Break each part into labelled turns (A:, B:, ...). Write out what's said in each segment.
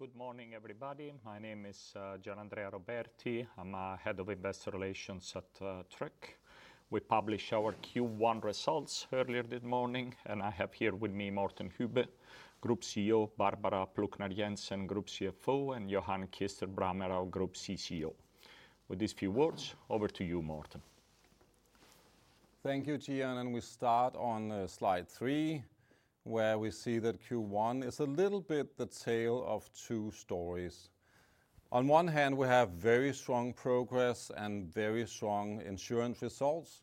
A: Good morning, everybody. My name is Gianandrea Roberti. I'm Head of Investor Relations at Tryg. We published our Q1 results earlier this morning, and I have here with me Morten Hübbe, Group CEO, Barbara Plucnar Jensen, Group CFO, and Johan Kirstein Brammer, Group CCO. With these few words, over to you, Morten.
B: Thank you, Gianandrea. We start on slide three, where we see that Q1 is a little bit the tale of two stories. On one hand, we have very strong progress and very strong insurance results,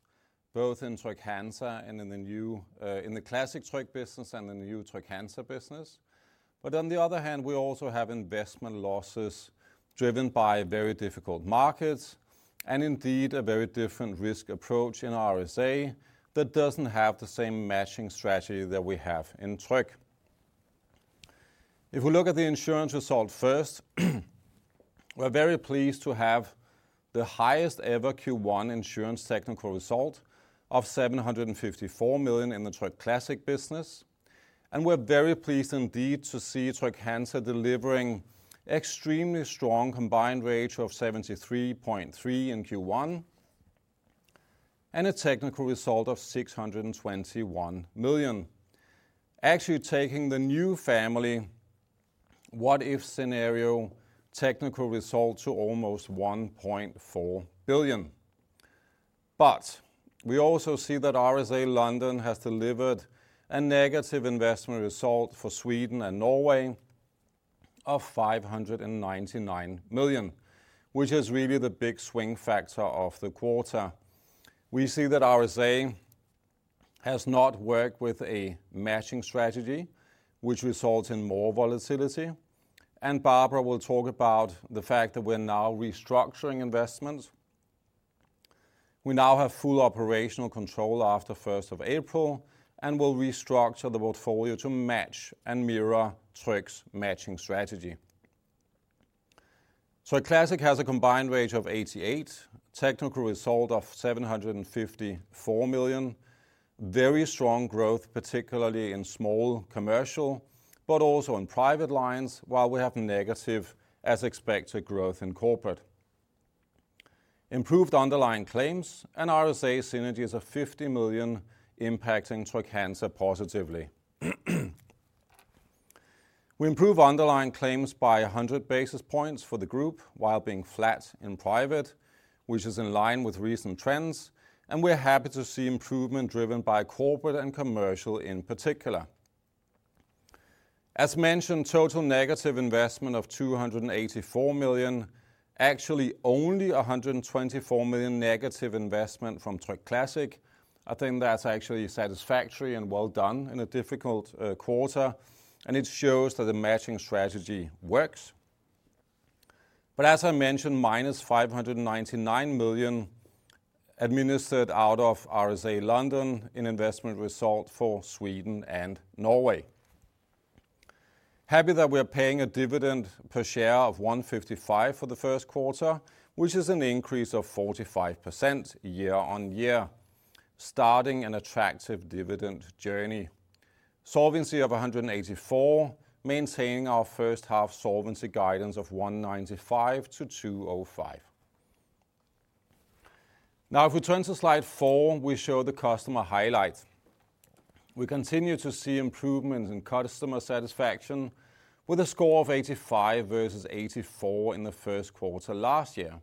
B: both in Trygg-Hansa and in the classic Tryg business and in the new Trygg-Hansa business. On the other hand, we also have investment losses driven by very difficult markets and indeed a very different risk approach in RSA that doesn't have the same matching strategy that we have in Tryg. If we look at the insurance result first, we're very pleased to have the highest ever Q1 insurance technical result of 754 million in the Tryg classic business. We're very pleased indeed to see Trygg-Hansa delivering extremely strong combined ratio of 73.3% in Q1 and a technical result of 621 million. Actually taking the new family, what if scenario, technical result to almost 1.4 billion. We also see that RSA Scandinavia has delivered a negative investment result for Sweden and Norway of 599 million, which is really the big swing factor of the quarter. We see that RSA has not worked with a matching strategy which results in more volatility, and Barbara will talk about the fact that we're now restructuring investments. We now have full operational control after first of April and will restructure the portfolio to match and mirror Tryg's matching strategy. Tryg classic has a combined ratio of 88%, technical result of 754 million. Very strong growth, particularly in small Commercial, but also in Private lines, while we have negative as expected growth in Corporate. Improved underlying claims and RSA synergies of 50 million impacting Trygg-Hansa positively. We improve underlying claims by 100 basis points for the group while being flat in Private, which is in line with recent trends, and we're happy to see improvement driven by Corporate and Commercial in particular. As mentioned, total negative investment of 284 million, actually only 124 million negative investment from Tryg classic. I think that's actually satisfactory and well done in a difficult quarter, and it shows that the matching strategy works. As I mentioned, minus 599 million administered out of RSA Scandinavia in investment result for Sweden and Norway. Happy that we are paying a dividend per share of 155 for the first quarter, which is an increase of 45% year-over-year, starting an attractive dividend journey. Solvency of 184%, maintaining our first half Solvency guidance of 195%-205%. Now if we turn to slide four, we show the customer highlights. We continue to see improvements in customer satisfaction with a score of 85 versus 84 in the first quarter last year.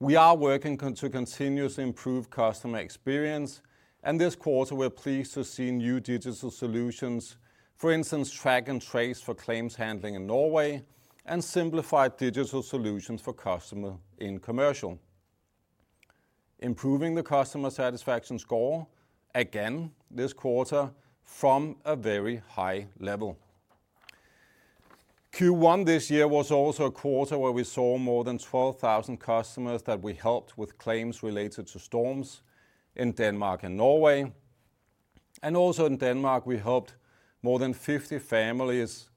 B: We are working continuously to improve customer experience, and this quarter we're pleased to see new digital solutions. For instance, track and trace for claims handling in Norway and simplified digital solutions for customer in Commercial. Improving the customer satisfaction score again this quarter from a very high level. Q1 this year was also a quarter where we saw more than 12,000 customers that we helped with claims related to storms in Denmark and Norway. Also in Denmark we helped more than 50 families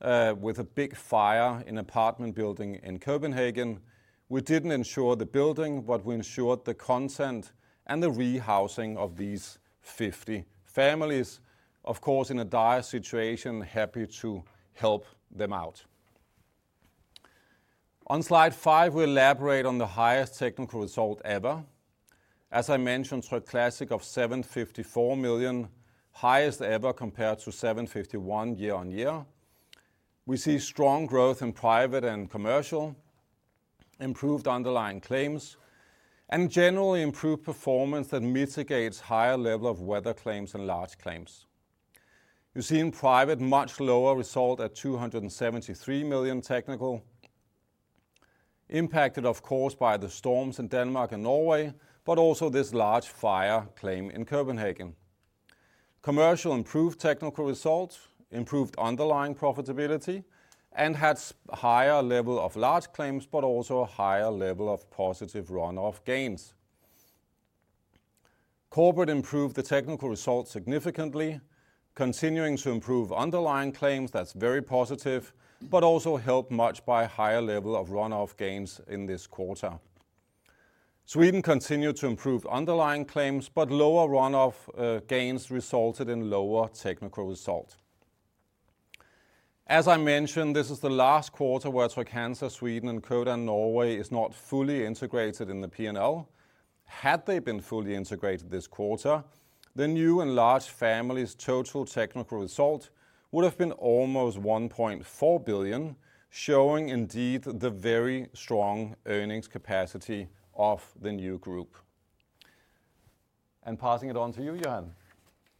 B: with a big fire in apartment building in Copenhagen. We didn't insure the building, but we insured the content and the rehousing of these 50 families. Of course, in a dire situation, happy to help them out. On slide five, we elaborate on the highest technical result ever. As I mentioned, Tryg classic of 754 million, highest ever compared to 751 million year on year. We see strong growth in Private and Commercial, improved underlying claims, and generally improved performance that mitigates higher level of weather claims and large claims. You see in Private much lower result at 273 million technical. Impacted of course by the storms in Denmark and Norway, but also this large fire claim in Copenhagen. Commercial improved technical result, improved underlying profitability, and had higher level of large claims, but also a higher level of positive run-off gains. Corporate improved the technical result significantly, continuing to improve underlying claims, that's very positive, but also helped much by a higher level of run-off gains in this quarter. Sweden continued to improve underlying claims, but lower run-off gains resulted in lower technical result. As I mentioned, this is the last quarter where Trygg-Hansa Sweden and Codan Norway is not fully integrated in the P&L. Had they been fully integrated this quarter, the new enlarged family's total technical result would have been almost 1.4 billion, showing indeed the very strong earnings capacity of the new group. Passing it on to you, Johan.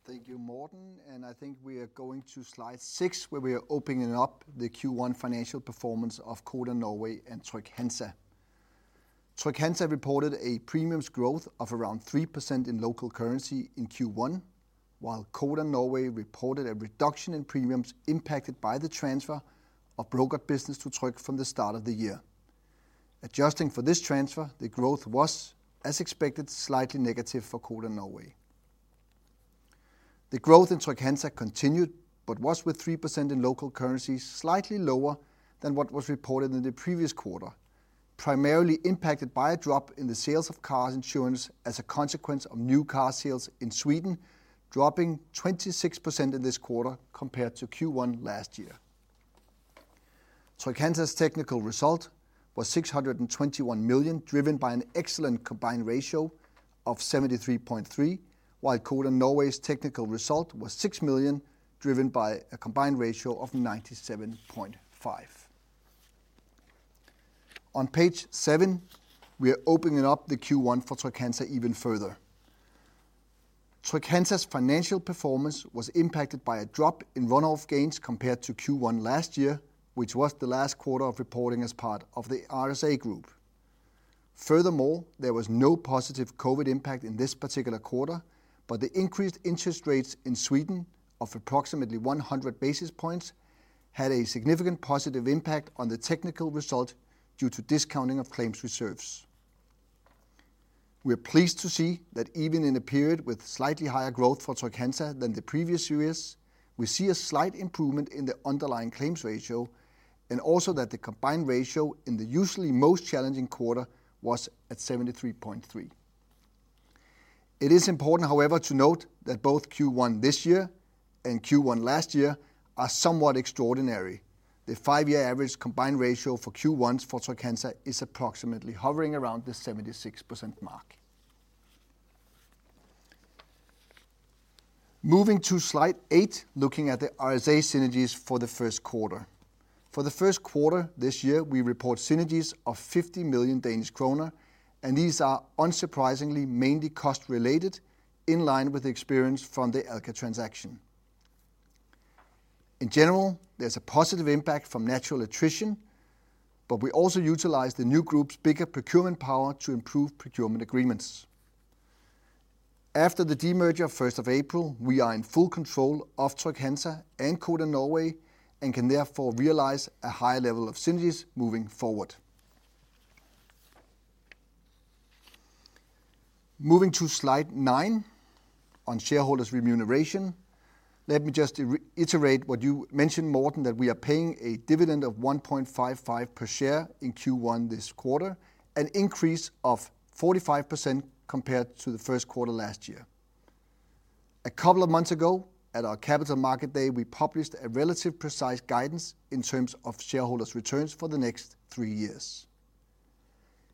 C: Thank you, Morten. I think we are going to slide 6, where we are opening up the Q1 financial performance of Codan Norway and Trygg-Hansa. Trygg-Hansa reported a premiums growth of around 3% in local currency in Q1, while Codan Norway reported a reduction in premiums impacted by the transfer of brokered business to Tryg from the start of the year. Adjusting for this transfer, the growth was, as expected, slightly negative for Codan Norway. The growth in Trygg-Hansa continued, but was with 3% in local currency, slightly lower than what was reported in the previous quarter, primarily impacted by a drop in the sales of car insurance as a consequence of new car sales in Sweden, dropping 26% in this quarter compared to Q1 last year. Trygg-Hansa's technical result was 621 million, driven by an excellent combined ratio of 73.3%, while Codan Norway's technical result was 6 million, driven by a combined ratio of 97.5%. On page seven, we are opening up the Q1 for Trygg-Hansa even further. Trygg-Hansa's financial performance was impacted by a drop in run-off gains compared to Q1 last year, which was the last quarter of reporting as part of the RSA Group. Furthermore, there was no positive COVID impact in this particular quarter, but the increased interest rates in Sweden of approximately 100 basis points had a significant positive impact on the technical result due to discounting of claims reserves. We're pleased to see that even in a period with slightly higher growth for Trygg-Hansa than the previous years, we see a slight improvement in the underlying claims ratio, and also that the combined ratio in the usually most challenging quarter was at 73.3%. It is important, however, to note that both Q1 this year and Q1 last year are somewhat extraordinary. The five-year average combined ratio for Q1s for Trygg-Hansa is approximately hovering around the 76% mark. Moving to slide 8, looking at the RSA synergies for the first quarter. For the first quarter this year, we report synergies of 50 million Danish kroner, and these are unsurprisingly mainly cost-related in line with experience from the Alka transaction. In general, there's a positive impact from natural attrition, but we also utilize the new group's bigger procurement power to improve procurement agreements. After the demerger first of April, we are in full control of Trygg-Hansa and Codan Norway and can therefore realize a higher level of synergies moving forward. Moving to slide nine on shareholders remuneration, let me just iterate what you mentioned, Morten, that we are paying a dividend of 1.55 per share in Q1 this quarter, an increase of 45% compared to the first quarter last year. A couple of months ago, at our Capital Markets Day, we published a relatively precise guidance in terms of shareholders' returns for the next three years.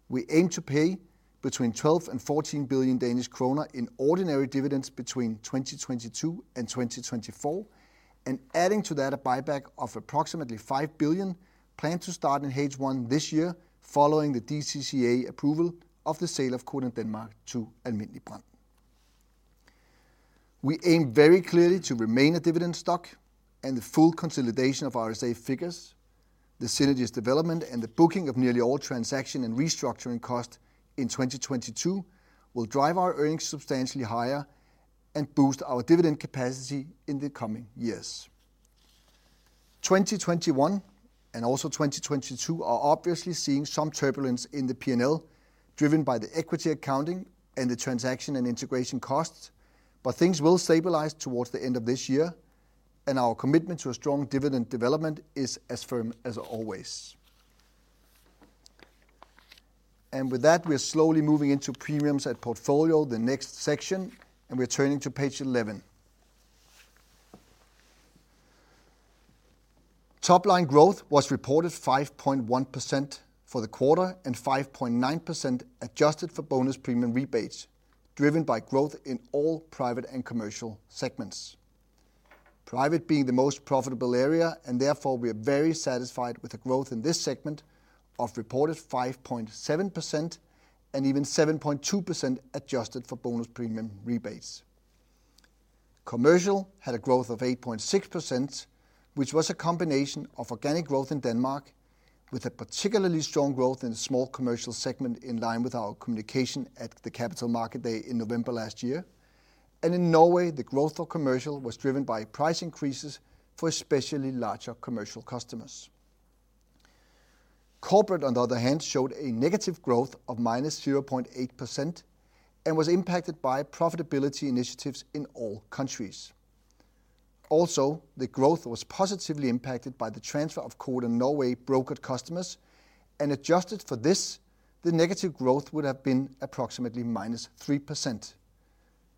C: We aim to pay between 12 billion and 14 billion Danish kroner in ordinary dividends between 2022 and 2024, and adding to that a buyback of approximately 5 billion planned to start in H1 this year following the DCCA approval of the sale of Codan Denmark to Alm. Brand. We aim very clearly to remain a dividend stock and the full consolidation of RSA figures, the synergies development, and the booking of nearly all transaction and restructuring costs in 2022 will drive our earnings substantially higher and boost our dividend capacity in the coming years. 2021 and also 2022 are obviously seeing some turbulence in the P&L, driven by the equity accounting and the transaction and integration costs. Things will stabilize towards the end of this year, and our commitment to a strong dividend development is as firm as always. With that, we're slowly moving into premiums and portfolio, the next section, and we're turning to page 11. Top-line growth was reported 5.1% for the quarter and 5.9% adjusted for bonus premium rebates, driven by growth in all Private and Commercial segments. Private being the most profitable area, and therefore we are very satisfied with the growth in this segment of reported 5.7% and even 7.2% adjusted for bonus premium rebates. Commercial had a growth of 8.6%, which was a combination of organic growth in Denmark with a particularly strong growth in the small Commercial segment in line with our communication at the Capital Markets Day in November last year. In Norway, the growth of Commercial was driven by price increases for especially larger Commercial customers. Corporate, on the other hand, showed a negative growth of -0.8% and was impacted by profitability initiatives in all countries. Also, the growth was positively impacted by the transfer of Codan Norway brokered customers, and adjusted for this, the negative growth would have been approximately -3%.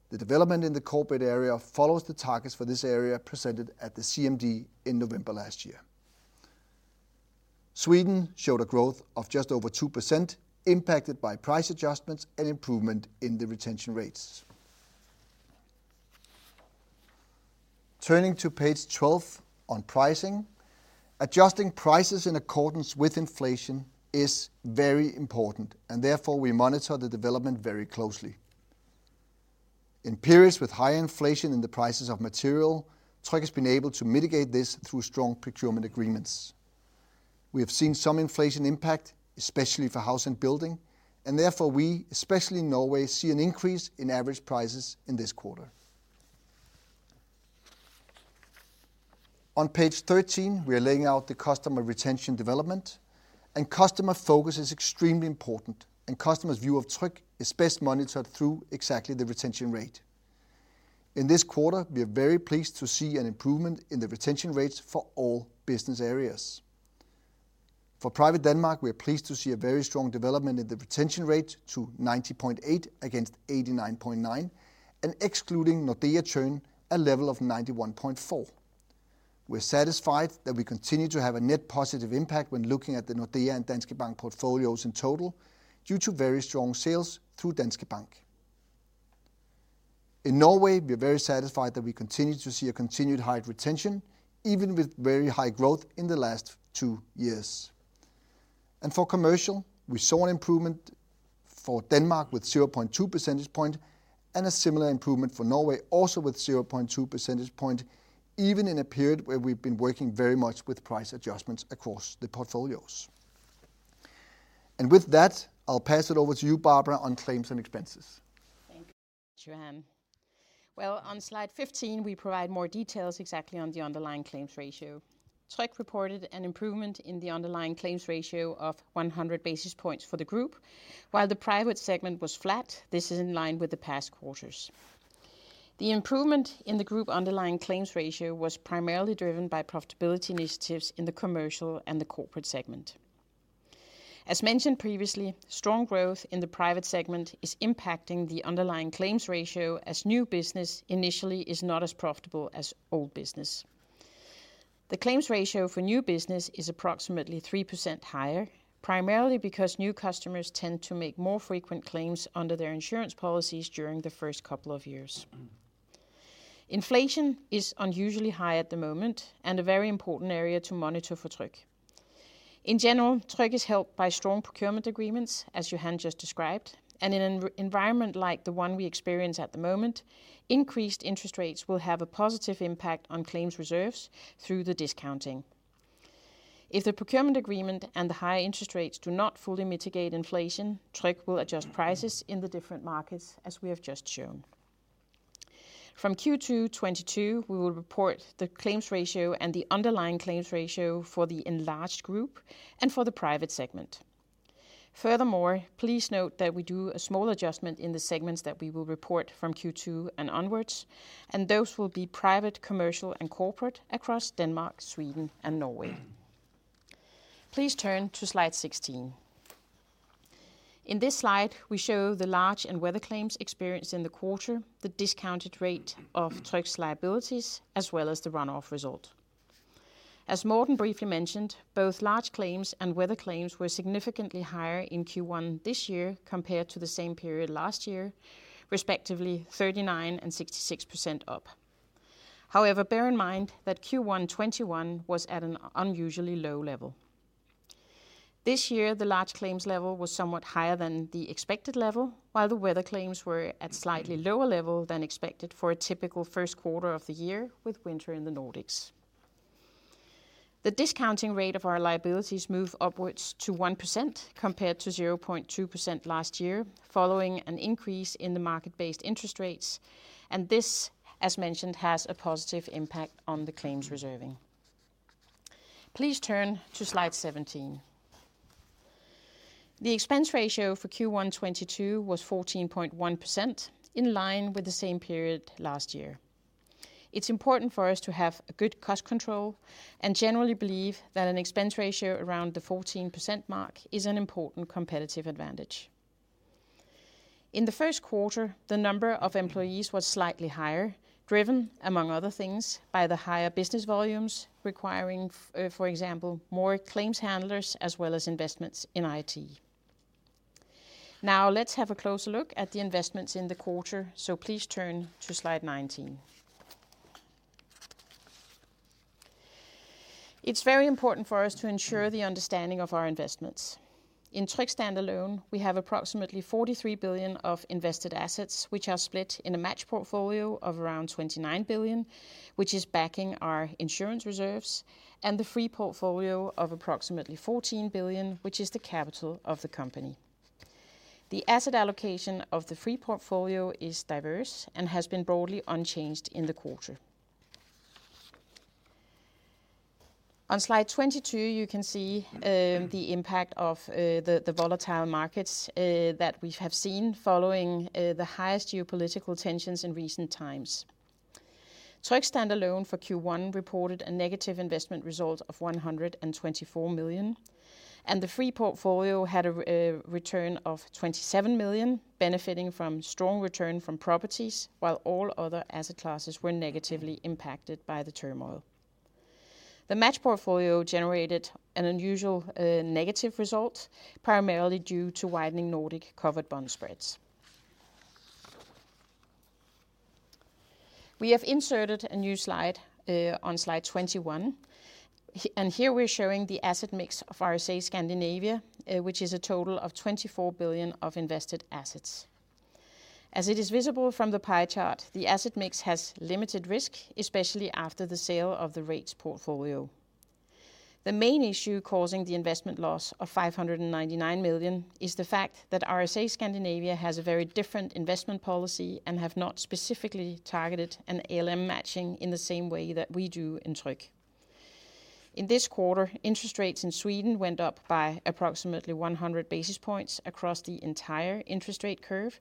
C: The development in the Corporate area follows the targets for this area presented at the CMD in November last year. Sweden showed a growth of just over 2% impacted by price adjustments and improvement in the retention rates. Turning to page 12 on pricing. Adjusting prices in accordance with inflation is very important, and therefore we monitor the development very closely. In periods with high inflation in the prices of material, Tryg has been able to mitigate this through strong procurement agreements. We have seen some inflation impact, especially for house and building, and therefore we, especially in Norway, see an increase in average prices in this quarter. On page 13, we are laying out the customer retention development, and customer focus is extremely important, and customers' view of Tryg is best monitored through exactly the retention rate. In this quarter, we are very pleased to see an improvement in the retention rates for all business areas. For Private Denmark, we are pleased to see a very strong development in the retention rate to 90.8% against 89.9%, and excluding Nordea churn a level of 91.4%. We're satisfied that we continue to have a net positive impact when looking at the Nordea and Danske Bank portfolios in total, due to very strong sales through Danske Bank. In Norway, we are very satisfied that we continue to see a continued high retention even with very high growth in the last two years. For Commercial, we saw an improvement for Denmark with 0.2 percentage point and a similar improvement for Norway also with 0.2 percentage point, even in a period where we've been working very much with price adjustments across the portfolios. With that, I'll pass it over to you, Barbara, on claims and expenses.
D: Thank you, Johan. Well, on slide 15, we provide more details exactly on the underlying claims ratio. Tryg reported an improvement in the underlying claims ratio of 100 basis points for the group while the Private segment was flat. This is in line with the past quarters. The improvement in the group underlying claims ratio was primarily driven by profitability initiatives in the Commercial and the Corporate segment. As mentioned previously, strong growth in the Private segment is impacting the underlying claims ratio as new business initially is not as profitable as old business. The claims ratio for new business is approximately 3% higher, primarily because new customers tend to make more frequent claims under their insurance policies during the first couple of years. Inflation is unusually high at the moment and a very important area to monitor for Tryg. In general, Tryg is helped by strong procurement agreements, as Johan just described, and in a rate environment like the one we experience at the moment, increased interest rates will have a positive impact on claims reserves through the discounting. If the procurement agreement and the higher interest rates do not fully mitigate inflation, Tryg will adjust prices in the different markets, as we have just shown. From Q2 2022, we will report the claims ratio and the underlying claims ratio for the enlarged group and for the Private segment. Furthermore, please note that we do a small adjustment in the segments that we will report from Q2 and onwards, and those will be Private, Commercial, and Corporate across Denmark, Sweden and Norway. Please turn to slide 16. In this slide, we show the large and weather claims experienced in the quarter, the discounted rate of Tryg's liabilities, as well as the run-off result. As Morten briefly mentioned, both large claims and weather claims were significantly higher in Q1 this year compared to the same period last year, respectively 39% and 66% up. However, bear in mind that Q1 2021 was at an unusually low level. This year, the large claims level was somewhat higher than the expected level, while the weather claims were at slightly lower level than expected for a typical first quarter of the year with winter in the Nordics. The discounting rate of our liabilities move upwards to 1% compared to 0.2% last year following an increase in the market-based interest rates, and this, as mentioned, has a positive impact on the claims reserving. Please turn to slide 17. The expense ratio for Q1 2022 was 14.1% in line with the same period last year. It's important for us to have a good cost control and generally believe that an expense ratio around the 14% mark is an important competitive advantage. In the first quarter, the number of employees was slightly higher, driven among other things by the higher business volumes requiring, for example, more claims handlers as well as investments in IT. Now let's have a closer look at the investments in the quarter, so please turn to slide 19. It's very important for us to ensure the understanding of our investments. In Tryg standalone, we have approximately 43 billion of invested assets, which are split in a match portfolio of around 29 billion, which is backing our insurance reserves, and the free portfolio of approximately 14 billion, which is the capital of the company. The asset allocation of the free portfolio is diverse and has been broadly unchanged in the quarter. On slide 22, you can see the impact of the volatile markets that we have seen following the highest geopolitical tensions in recent times. Tryg standalone for Q1 reported a negative investment result of 124 million, and the free portfolio had a return of 27 million, benefiting from strong return from properties, while all other asset classes were negatively impacted by the turmoil. The match portfolio generated an unusual negative result, primarily due to widening Nordic covered bond spreads. We have inserted a new slide on slide 21. Here we're showing the asset mix of RSA Scandinavia, which is a total of 24 billion of invested assets. As it is visible from the pie chart, the asset mix has limited risk, especially after the sale of the rates portfolio. The main issue causing the investment loss of 599 million is the fact that RSA Scandinavia has a very different investment policy and have not specifically targeted an ALM matching in the same way that we do in Tryg. In this quarter, interest rates in Sweden went up by approximately 100 basis points across the entire interest rate curve,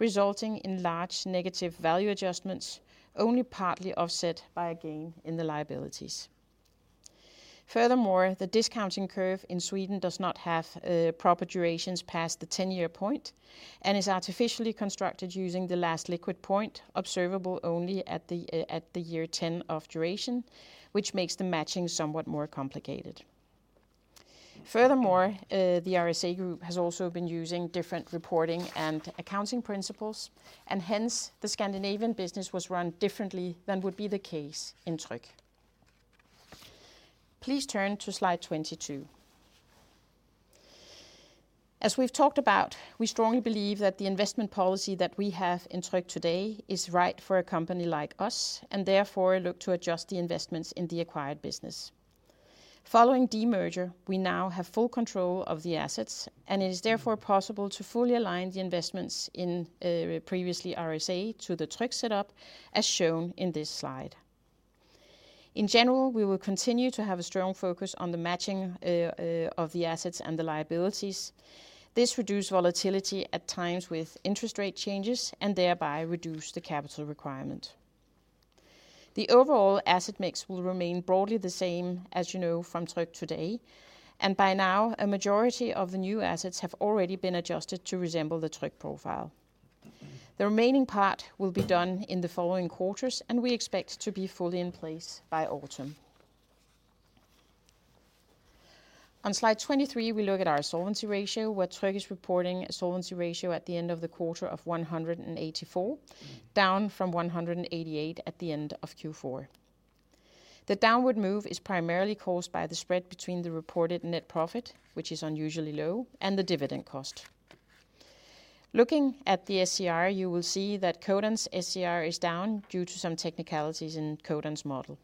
D: resulting in large negative value adjustments, only partly offset by a gain in the liabilities. Furthermore, the discounting curve in Sweden does not have proper durations past the ten-year point and is artificially constructed using the Last Liquid Point observable only at the year ten of duration, which makes the matching somewhat more complicated. Furthermore, the RSA Group has also been using different reporting and accounting principles, and hence, the Scandinavian business was run differently than would be the case in Tryg. Please turn to slide 22. As we've talked about, we strongly believe that the investment policy that we have in Tryg today is right for a company like us, and therefore look to adjust the investments in the acquired business. Following demerger, we now have full control of the assets, and it is therefore possible to fully align the investments in previously RSA to the Tryg setup, as shown in this slide. In general, we will continue to have a strong focus on the matching of the assets and the liabilities. This reduce volatility at times with interest rate changes and thereby reduce the capital requirement. The overall asset mix will remain broadly the same as you know from Tryg today, and by now, a majority of the new assets have already been adjusted to resemble the Tryg profile. The remaining part will be done in the following quarters, and we expect to be fully in place by autumn. On slide 23, we look at our Solvency ratio, where Tryg is reporting a Solvency ratio at the end of the quarter of 184%, down from 188% at the end of Q4. The downward move is primarily caused by the spread between the reported net profit, which is unusually low, and the dividend cost. Looking at the SCR, you will see that Codan's SCR is down due to some technicalities in Codan's model.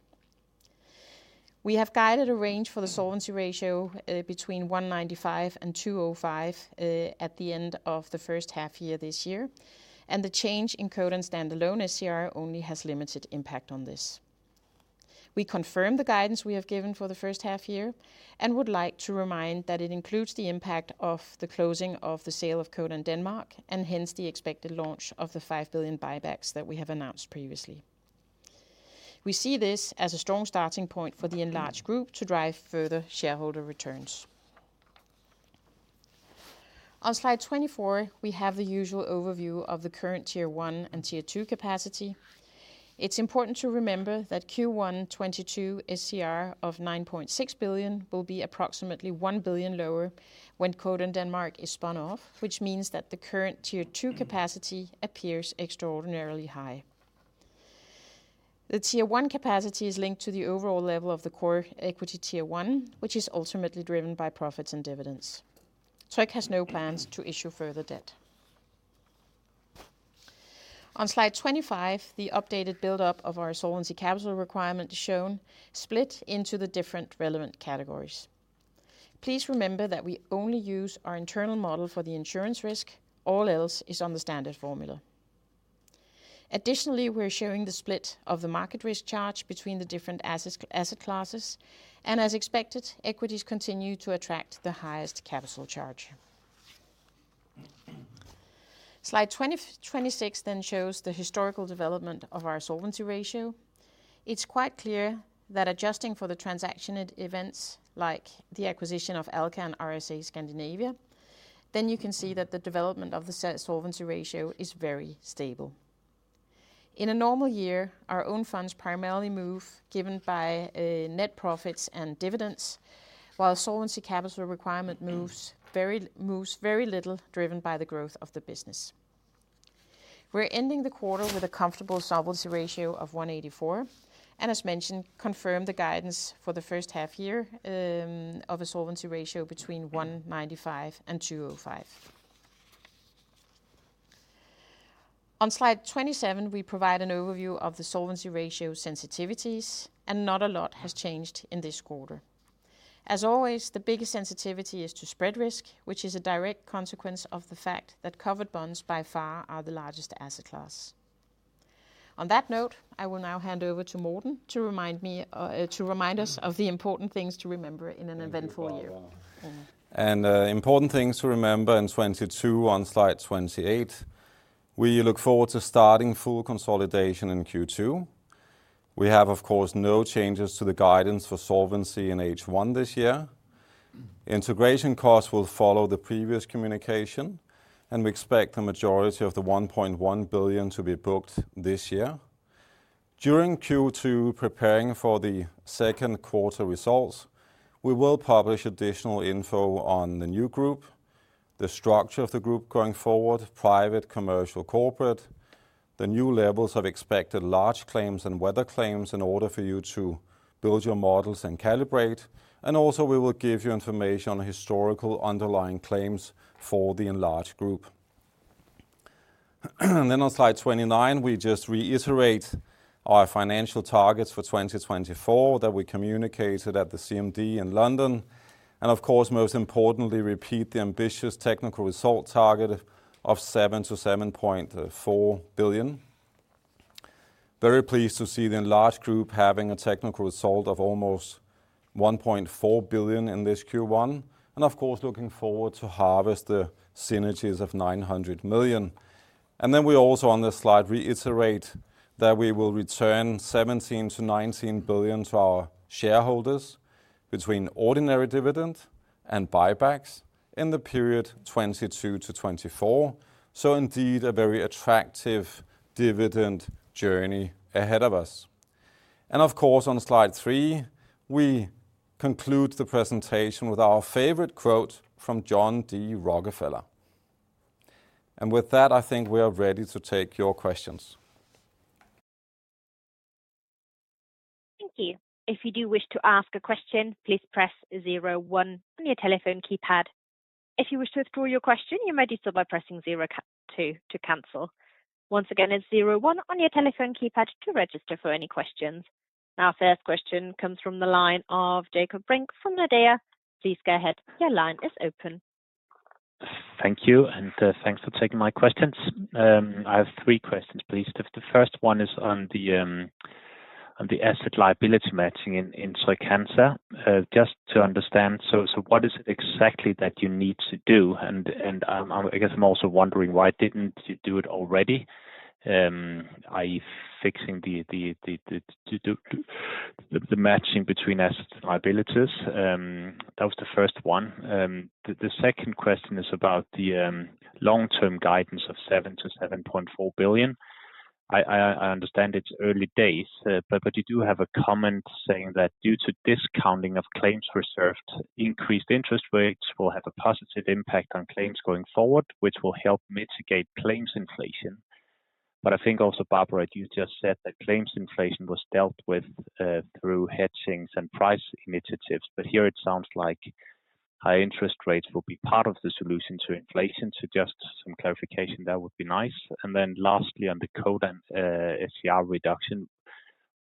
D: We have guided a range for the Solvency ratio between 195% and 205% at the end of the first half year this year, and the change in Codan standalone SCR only has limited impact on this. We confirm the guidance we have given for the first half year and would like to remind that it includes the impact of the closing of the sale of Codan Denmark and hence the expected launch of the 5 billion buybacks that we have announced previously. We see this as a strong starting point for the enlarged group to drive further shareholder returns. On slide 24, we have the usual overview of the current tier 1 and tier 2 capacity. It's important to remember that Q1 2022 SCR of 9.6 billion will be approximately 1 billion lower when Codan Denmark is spun off, which means that the current tier 2 capacity appears extraordinarily high. The tier 1 capacity is linked to the overall level of the common equity tier 1, which is ultimately driven by profits and dividends. Tryg has no plans to issue further debt. On slide 25, the updated buildup of our Solvency capital requirement is shown split into the different relevant categories. Please remember that we only use our internal model for the insurance risk. All else is on the standard formula. Additionally, we're showing the split of the market risk charge between the different assets, asset classes, and as expected, equities continue to attract the highest capital charge. Slide 26 then shows the historical development of our Solvency ratio. It's quite clear that adjusting for the transaction at events like the acquisition of Alka and RSA Scandinavia, you can see that the development of the Solvency ratio is very stable. In a normal year, our own funds primarily move given by net profits and dividends, while Solvency capital requirement moves very little driven by the growth of the business. We're ending the quarter with a comfortable Solvency ratio of 184%, and as mentioned, confirm the guidance for the first half year of a Solvency ratio between 195%-205%. On slide 27, we provide an overview of the Solvency ratio sensitivities, and not a lot has changed in this quarter. As always, the biggest sensitivity is to spread risk, which is a direct consequence of the fact that covered bonds by far are the largest asset class. On that note, I will now hand over to Morten to remind me, to remind us of the important things to remember in an eventful year.
B: Thank you, Barbara. Important things to remember in 2022 on slide 28, we look forward to starting full consolidation in Q2. We have, of course, no changes to the guidance for Solvency in H1 this year. Integration costs will follow the previous communication, and we expect the majority of the 1.1 billion to be booked this year. During Q2, preparing for the second quarter results, we will publish additional info on the new group, the structure of the group going forward, Private, Commercial, Corporate, the new levels of expected large claims and weather claims in order for you to build your models and calibrate. We will give you information on historical underlying claims for the enlarged group. On slide 29, we just reiterate our financial targets for 2024 that we communicated at the CMD in London. Of course, most importantly, repeat the ambitious technical result target of 7 billion-7.4 billion. Very pleased to see the enlarged group having a technical result of almost 1.4 billion in this Q1. Of course, looking forward to harvest the synergies of 900 million. Then we also on this slide reiterate that we will return 17 billion-19 billion to our shareholders between ordinary dividend and buybacks in the period 2022-2024. Indeed, a very attractive dividend journey ahead of us. Of course, on slide three, we conclude the presentation with our favorite quote from John D. Rockefeller. With that, I think we are ready to take your questions.
E: Thank you. If you do wish to ask a question, please press zero one on your telephone keypad. If you wish to withdraw your question, you may do so by pressing zero one to cancel. Once again, it's zero one on your telephone keypad to register for any questions. Our first question comes from the line of Jakob Brink from Nordea. Please go ahead, your line is open.
F: Thank you, and thanks for taking my questions. I have three questions, please. The first one is on the asset-liability matching in Tryg. Just to understand, what is it exactly that you need to do? I guess I'm also wondering why didn't you do it already? Are you fixing the matching between assets and liabilities? That was the first one. The second question is about the long-term guidance of 7 billion-7.4 billion. I understand it's early days, but you do have a comment saying that due to discounting of claims reserves, increased interest rates will have a positive impact on claims going forward, which will help mitigate claims inflation. I think also, Barbara, you just said that claims inflation was dealt with through hedging and price initiatives. Here it sounds like high interest rates will be part of the solution to inflation. Just some clarification there would be nice. Then lastly, on the Codan SCR reduction,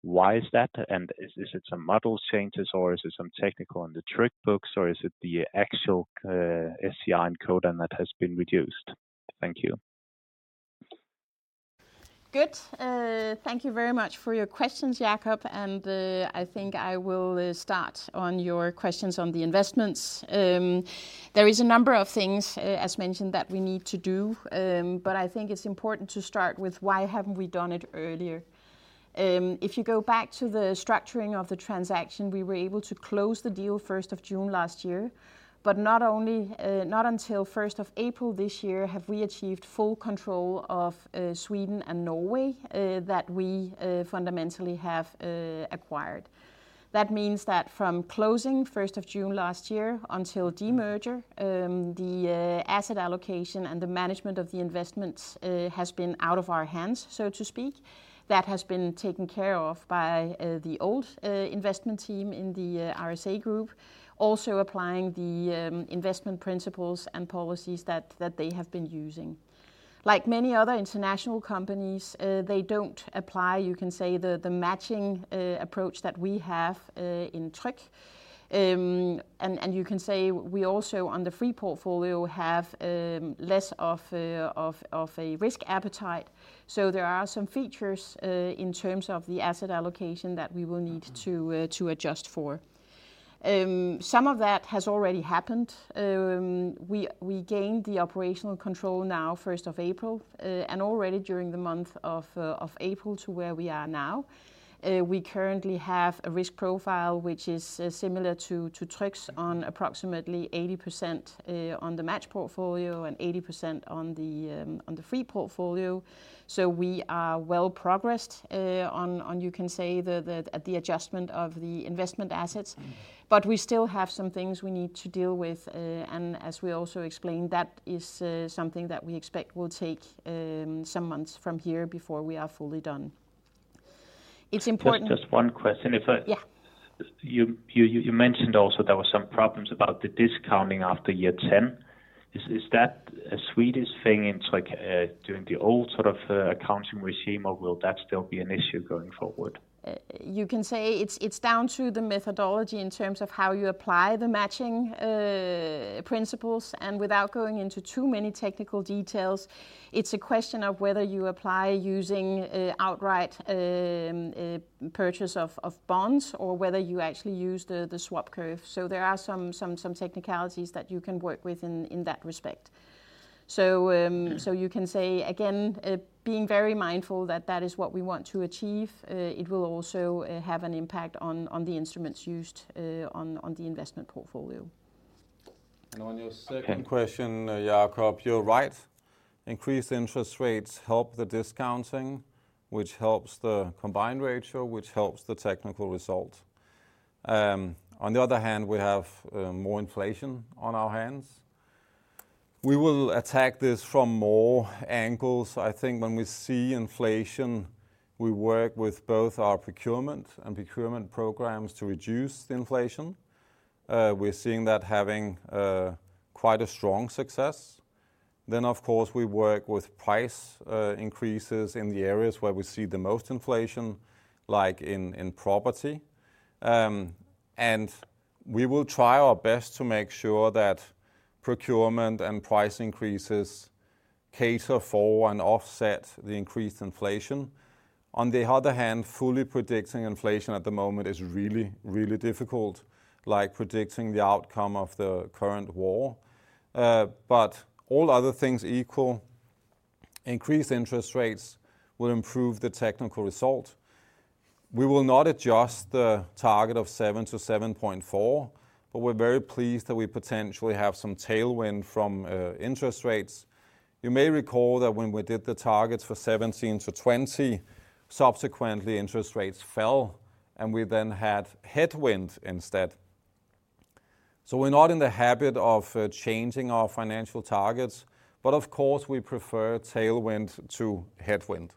F: why is that? Is it some model changes or is it some technical in the Tryg books or is it the actual SCR in Codan that has been reduced? Thank you.
D: Good. Thank you very much for your questions, Jakob. I think I will start on your questions on the investments. There is a number of things, as mentioned, that we need to do. I think it's important to start with why haven't we done it earlier. If you go back to the structuring of the transaction, we were able to close the deal 1st of June last year. Not only not until 1st of April this year have we achieved full control of Sweden and Norway that we fundamentally have acquired. That means that from closing 1st of June last year until demerger, the asset allocation and the management of the investments has been out of our hands, so to speak. That has been taken care of by the old investment team in the RSA Group, also applying the investment principles and policies that they have been using. Like many other international companies, they don't apply, you can say, the matching approach that we have in Tryg. You can say we also on the free portfolio have less of a risk appetite. There are some features in terms of the asset allocation that we will need to adjust for. Some of that has already happened. We gained the operational control now 1st of April, and already during the month of April to where we are now. We currently have a risk profile which is similar to Tryg's on approximately 80% on the matched portfolio and 80% on the free portfolio. We are well progressed on you can say the adjustment of the investment assets. We still have some things we need to deal with. As we also explained, that is something that we expect will take some months from here before we are fully done. It's important.
F: Just one question if I
D: Yeah.
F: You mentioned also there were some problems about the discounting after year 10. Is that a Swedish thing? It's like doing the old sort of accounting regime, or will that still be an issue going forward?
D: You can say it's down to the methodology in terms of how you apply the matching principles. Without going into too many technical details, it's a question of whether you apply using outright purchase of bonds or whether you actually use the swap curve. There are some technicalities that you can work with in that respect. You can say again, being very mindful that that is what we want to achieve, it will also have an impact on the instruments used on the investment portfolio.
B: On your second question, Jakob, you're right. Increased interest rates help the discounting, which helps the combined ratio, which helps the technical result. On the other hand, we have more inflation on our hands. We will attack this from more angles. I think when we see inflation, we work with both our procurement and procurement programs to reduce the inflation. We're seeing that having quite a strong success. Of course, we work with price increases in the areas where we see the most inflation, like in property. We will try our best to make sure that procurement and price increases cater for and offset the increased inflation. On the other hand, fully predicting inflation at the moment is really difficult, like predicting the outcome of the current war. All other things equal, increased interest rates will improve the technical result. We will not adjust the target of 7%-7.4%, but we're very pleased that we potentially have some tailwind from interest rates. You may recall that when we did the targets for 2017-2020, subsequently interest rates fell, and we then had headwind instead. We're not in the habit of changing our financial targets, but of course we prefer tailwind to headwind.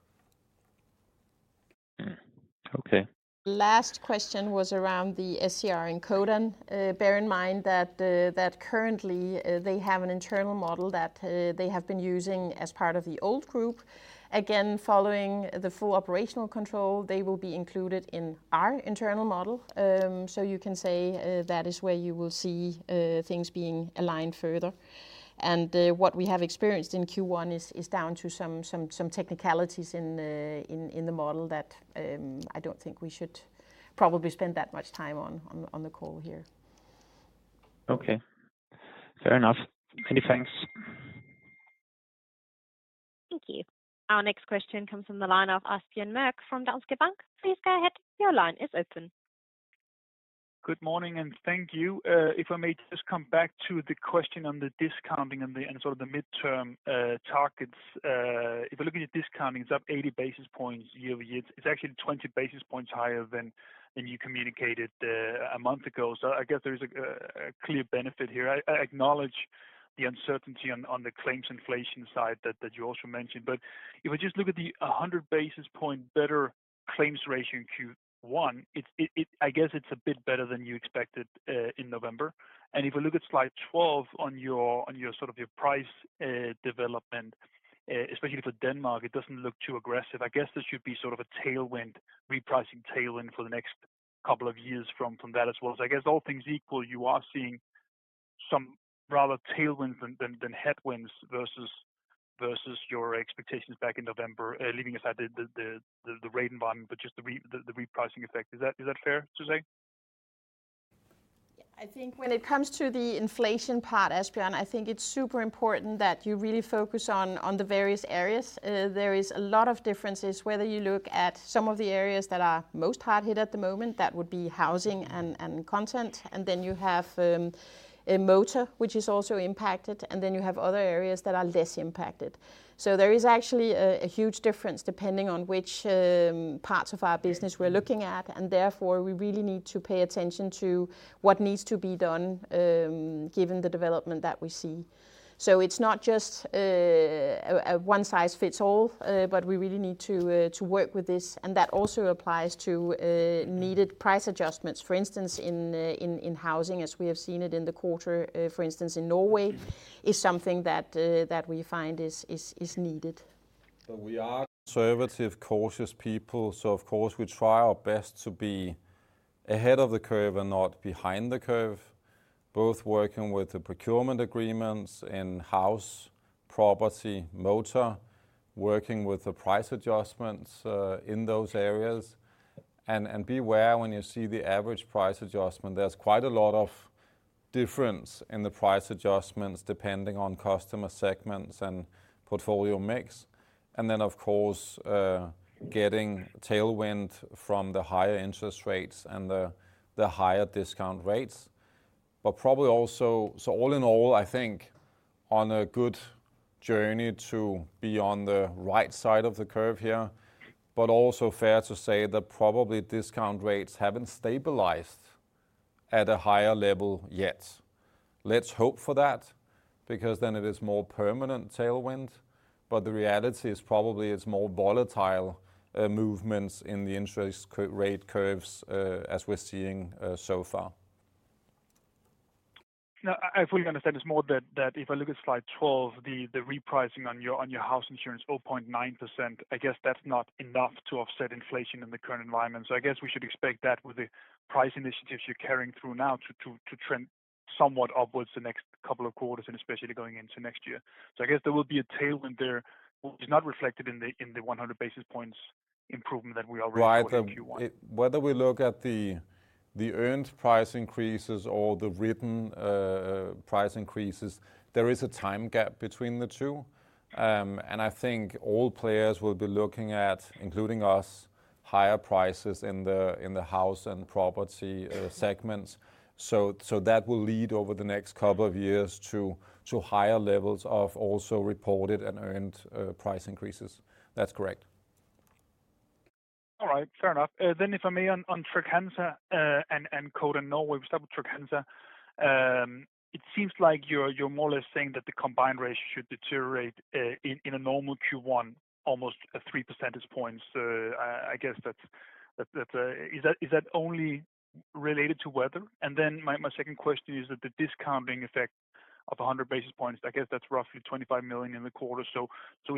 F: Okay.
D: Last question was around the SCR in Codan. Bear in mind that currently they have an internal model that they have been using as part of the old group. Again, following the full operational control, they will be included in our internal model. So you can say that is where you will see things being aligned further. What we have experienced in Q1 is down to some technicalities in the model that I don't think we should probably spend that much time on the call here.
F: Okay. Fair enough. Many thanks.
E: Thank you. Our next question comes from the line of Asbjørn Mørk from Danske Bank. Please go ahead. Your line is open.
G: Good morning, and thank you. If I may just come back to the question on the discounting and sort of the midterm targets. If we're looking at discounting, it's up 80 basis points year-over-year. It's actually 20 basis points higher than you communicated a month ago. I guess there is a clear benefit here. I acknowledge the uncertainty on the claims inflation side that you also mentioned. If we just look at the 100 basis point better claims ratio in Q1, it's a bit better than you expected in November. If we look at slide 12 on your sort of price development, especially for Denmark, it doesn't look too aggressive. I guess this should be sort of a tailwind, repricing tailwind for the next couple of years from that as well. I guess all things equal, you are seeing some rather tailwinds than headwinds versus your expectations back in November, leaving aside the rate environment, but just the repricing effect. Is that fair to say?
D: Yeah. I think when it comes to the inflation part, Asbjørn Mørk, I think it's super important that you really focus on the various areas. There is a lot of differences whether you look at some of the areas that are most hard hit at the moment, that would be housing and content, and then you have motor, which is also impacted, and then you have other areas that are less impacted. There is actually a huge difference depending on which parts of our business we're looking at, and therefore we really need to pay attention to what needs to be done given the development that we see. It's not just a one size fits all, but we really need to work with this. That also applies to needed price adjustments. For instance, in housing as we have seen it in the quarter, for instance in Norway, is something that we find is needed.
B: We are conservative, cautious people, so of course we try our best to be ahead of the curve and not behind the curve, both working with the procurement agreements in house, property, motor, working with the price adjustments in those areas. Beware when you see the average price adjustment, there's quite a lot of difference in the price adjustments depending on customer segments and portfolio mix. Of course, getting tailwind from the higher interest rates and the higher discount rates. All in all, I think on a good journey to be on the right side of the curve here, but also fair to say that probably discount rates haven't stabilized at a higher level yet. Let's hope for that because then it is more permanent tailwind. The reality is probably it's more volatile movements in the interest rate curves, as we're seeing so far.
G: No, I fully understand it's more that if I look at slide 12, the repricing on your house insurance 4.9%, I guess that's not enough to offset inflation in the current environment. I guess we should expect that with the price initiatives you're carrying through now to trend somewhat upwards the next couple of quarters, and especially going into next year. I guess there will be a tailwind there which is not reflected in the 100 basis points improvement that we already reported in Q1.
B: Whether we look at the earned price increases or the written price increases, there is a time gap between the two. I think all players will be looking at, including us, higher prices in the house and property segments. That will lead over the next couple of years to higher levels of also reported and earned price increases. That's correct.
G: All right. Fair enough. If I may on Trygg-Hansa and Codan Norway. We'll start with Trygg-Hansa. It seems like you're more or less saying that the combined ratio should deteriorate in a normal Q1 almost 3 percentage points. I guess that's only related to weather? My second question is that the discounting effect of 100 basis points, I guess that's roughly 25 million in the quarter. Is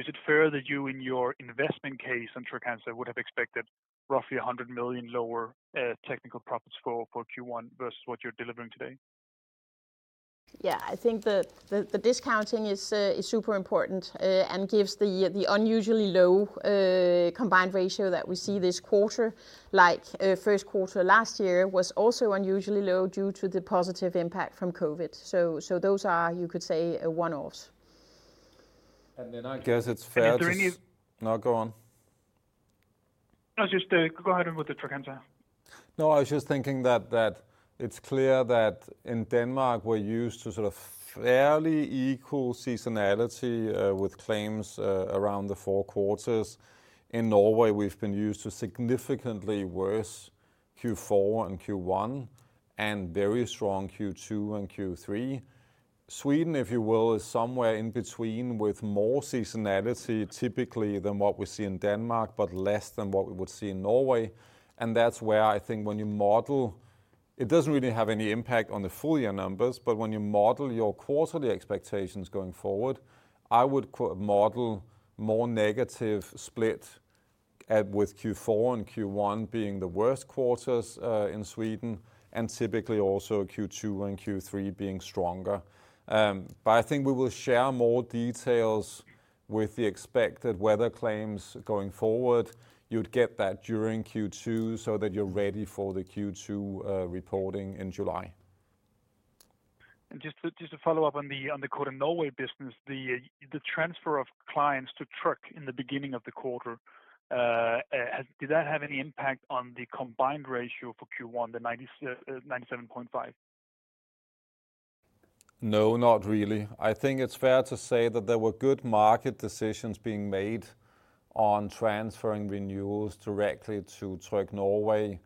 G: it fair that you, in your investment case on Trygg-Hansa would have expected roughly 100 million lower technical profits for Q1 versus what you're delivering today?
D: Yeah. I think the discounting is super important and gives the unusually low combined ratio that we see this quarter. Like, first quarter last year was also unusually low due to the positive impact from COVID. Those are, you could say, one-offs.
B: I guess it's fair to.
G: Yeah.
B: No, go on.
G: No, just, go ahead with the Trygg-Hansa.
B: No, I was just thinking that it's clear that in Denmark we're used to sort of fairly equal seasonality with claims around the four quarters. In Norway, we've been used to significantly worse Q4 and Q1, and very strong Q2 and Q3. Sweden, if you will, is somewhere in between with more seasonality typically than what we see in Denmark, but less than what we would see in Norway. That's where I think when you model it doesn't really have any impact on the full year numbers, but when you model your quarterly expectations going forward, I would model more negative split with Q4 and Q1 being the worst quarters in Sweden, and typically also Q2 and Q3 being stronger. I think we will share more details with the expected weather claims going forward. You'd get that during Q2 so that you're ready for the Q2 reporting in July.
G: Just to follow up on the Codan Norway business, the transfer of clients to Tryg in the beginning of the quarter, did that have any impact on the combined ratio for Q1, the 97.5%?
B: No, not really. I think it's fair to say that there were good market decisions being made on transferring renewals directly to Tryg Norway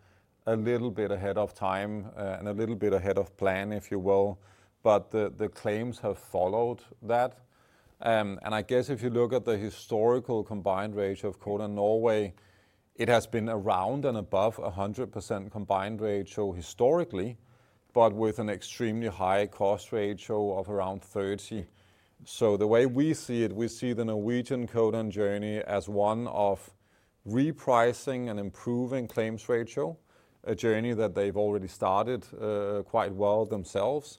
B: a little bit ahead of time, and a little bit ahead of plan, if you will. The claims have followed that. I guess if you look at the historical combined ratio of Codan Norway, it has been around and above 100% combined ratio historically, but with an extremely high cost ratio of around 30%. The way we see it, we see the Norwegian Codan journey as one of repricing and improving claims ratio, a journey that they've already started quite well themselves.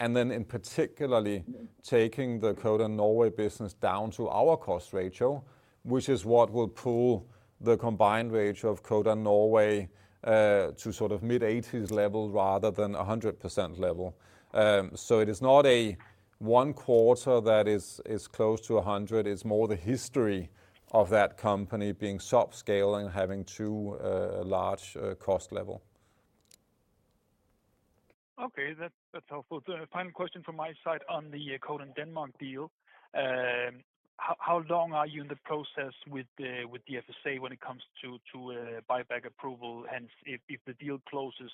B: In particularly taking the Codan Norway business down to our cost ratio, which is what will pull the combined ratio of Codan Norway to sort of mid-80s level rather than a 100% level. It is not a one quarter that is close to a 100%, it's more the history of that company being small scale and having too large a cost level.
G: Okay. That's helpful. The final question from my side on the Codan Denmark deal. How long are you in the process with the FSA when it comes to buyback approval? Hence if the deal closes,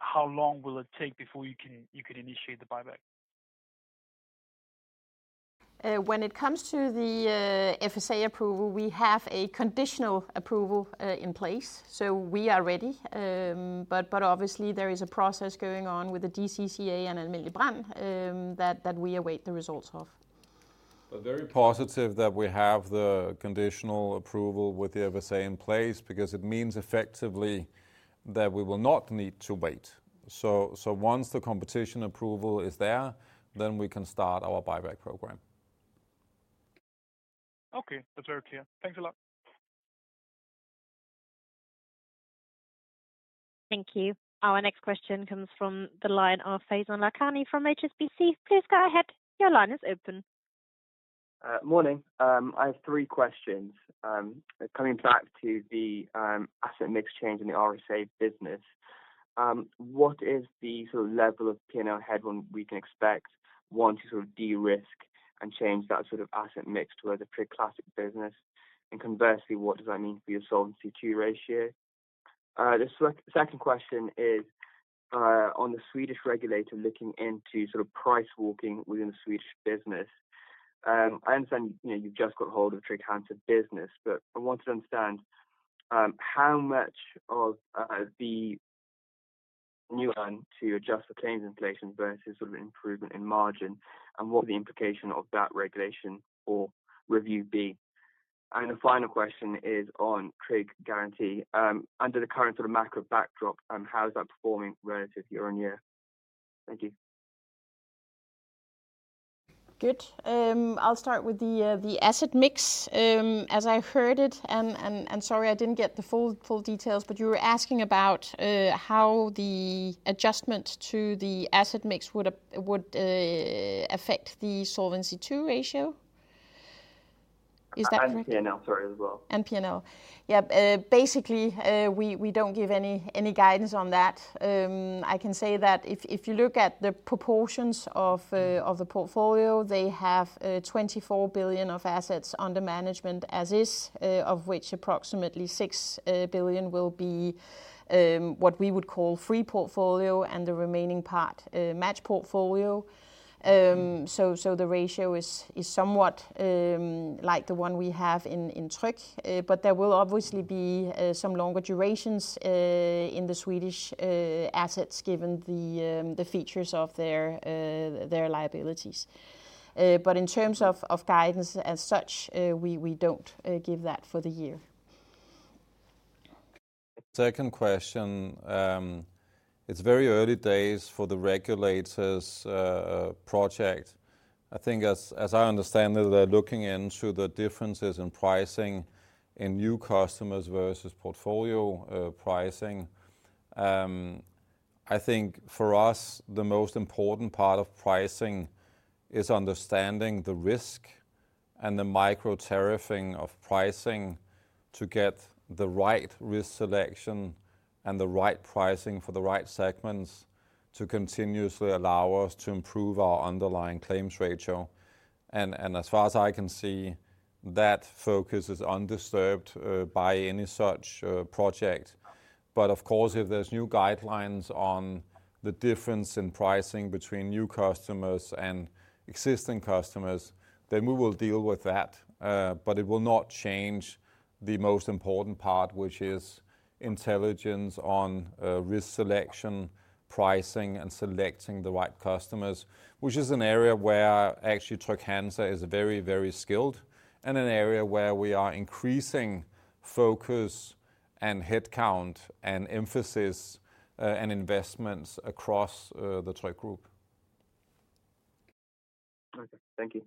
G: how long will it take before you can initiate the buyback?
D: When it comes to the FSA approval, we have a conditional approval in place, so we are ready. Obviously there is a process going on with the DCCA and Alm. Brand that we await the results of.
B: We're very positive that we have the conditional approval with the FSA in place because it means effectively that we will not need to wait. Once the competition approval is there, then we can start our buyback program.
G: Okay. That's very clear. Thanks a lot.
E: Thank you. Our next question comes from the line of Faizan Lakhani from HSBC. Please go ahead. Your line is open.
H: Morning. I have three questions. Coming back to the asset mix change in the RSA business, what is the sort of level of P&L headroom we can expect wanting to sort of de-risk and change that sort of asset mix towards a pretty classic business? Conversely, what does that mean for your Solvency II ratio? The second question is on the Swedish regulator looking into sort of price walking within the Swedish business. I understand, you know, you've just got hold of Trygg-Hansa business, but I want to understand how much of the renewal to adjust for claims inflation versus sort of improvement in margin and what the implication of that regulation or review be. The final question is on Tryg Garanti. Under the current sort of macro backdrop, how is that performing relative year-on-year? Thank you.
D: Good. I'll start with the asset mix. As I heard it, sorry, I didn't get the full details, but you were asking about how the adjustment to the asset mix would affect the Solvency II ratio. Is that correct?
H: P&L, sorry, as well.
D: P&L. We don't give any guidance on that. I can say that if you look at the proportions of the portfolio, they have 24 billion of assets under management as is, of which approximately 6 billion will be what we would call free portfolio and the remaining part match portfolio. So the ratio is somewhat like the one we have in Tryg. But there will obviously be some longer durations in the Swedish assets given the features of their liabilities. But in terms of guidance as such, we don't give that for the year.
B: Second question. It's very early days for the regulator's project. I think as I understand it, they're looking into the differences in pricing in new customers versus portfolio pricing. I think for us the most important part of pricing is understanding the risk and the micro tariffing of pricing to get the right risk selection and the right pricing for the right segments to continuously allow us to improve our underlying claims ratio. As far as I can see, that focus is undisturbed by any such project. Of course, if there's new guidelines on the difference in pricing between new customers and existing customers, then we will deal with that. It will not change the most important part, which is intelligence on risk selection, pricing, and selecting the right customers, which is an area where actually Trygg-Hansa is very, very skilled and an area where we are increasing focus and headcount and emphasis, and investments across the Tryg Group.
H: Okay. Thank you.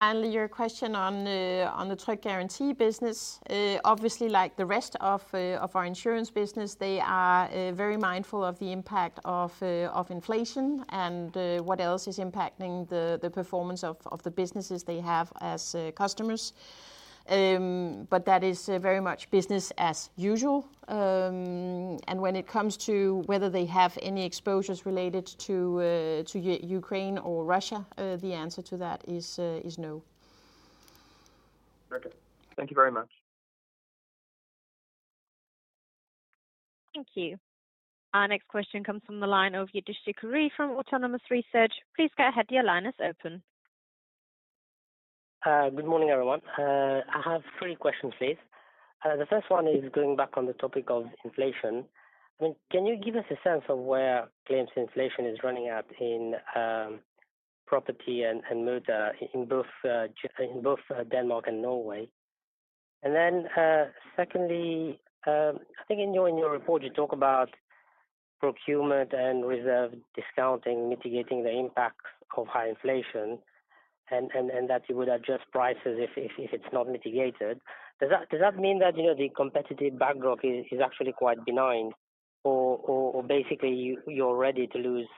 D: Your question on the Tryg Garanti business. Obviously like the rest of our insurance business they are very mindful of the impact of inflation and what else is impacting the performance of the businesses they have as customers. That is very much business as usual. When it comes to whether they have any exposures related to Ukraine or Russia, the answer to that is no.
H: Okay. Thank you very much.
E: Thank you. Our next question comes from the line of Youdish Chicooree from Autonomous Research. Please go ahead. Your line is open.
I: Good morning, everyone. I have three questions, please. The first one is going back on the topic of inflation. I mean, can you give us a sense of where claims inflation is running at in property and motor in both Denmark and Norway? Secondly, I think in your report you talk about procurement and reserve discounting mitigating the impact of high inflation and that you would adjust prices if it's not mitigated. Does that mean that, you know, the competitive backdrop is actually quite benign or basically you're ready to lose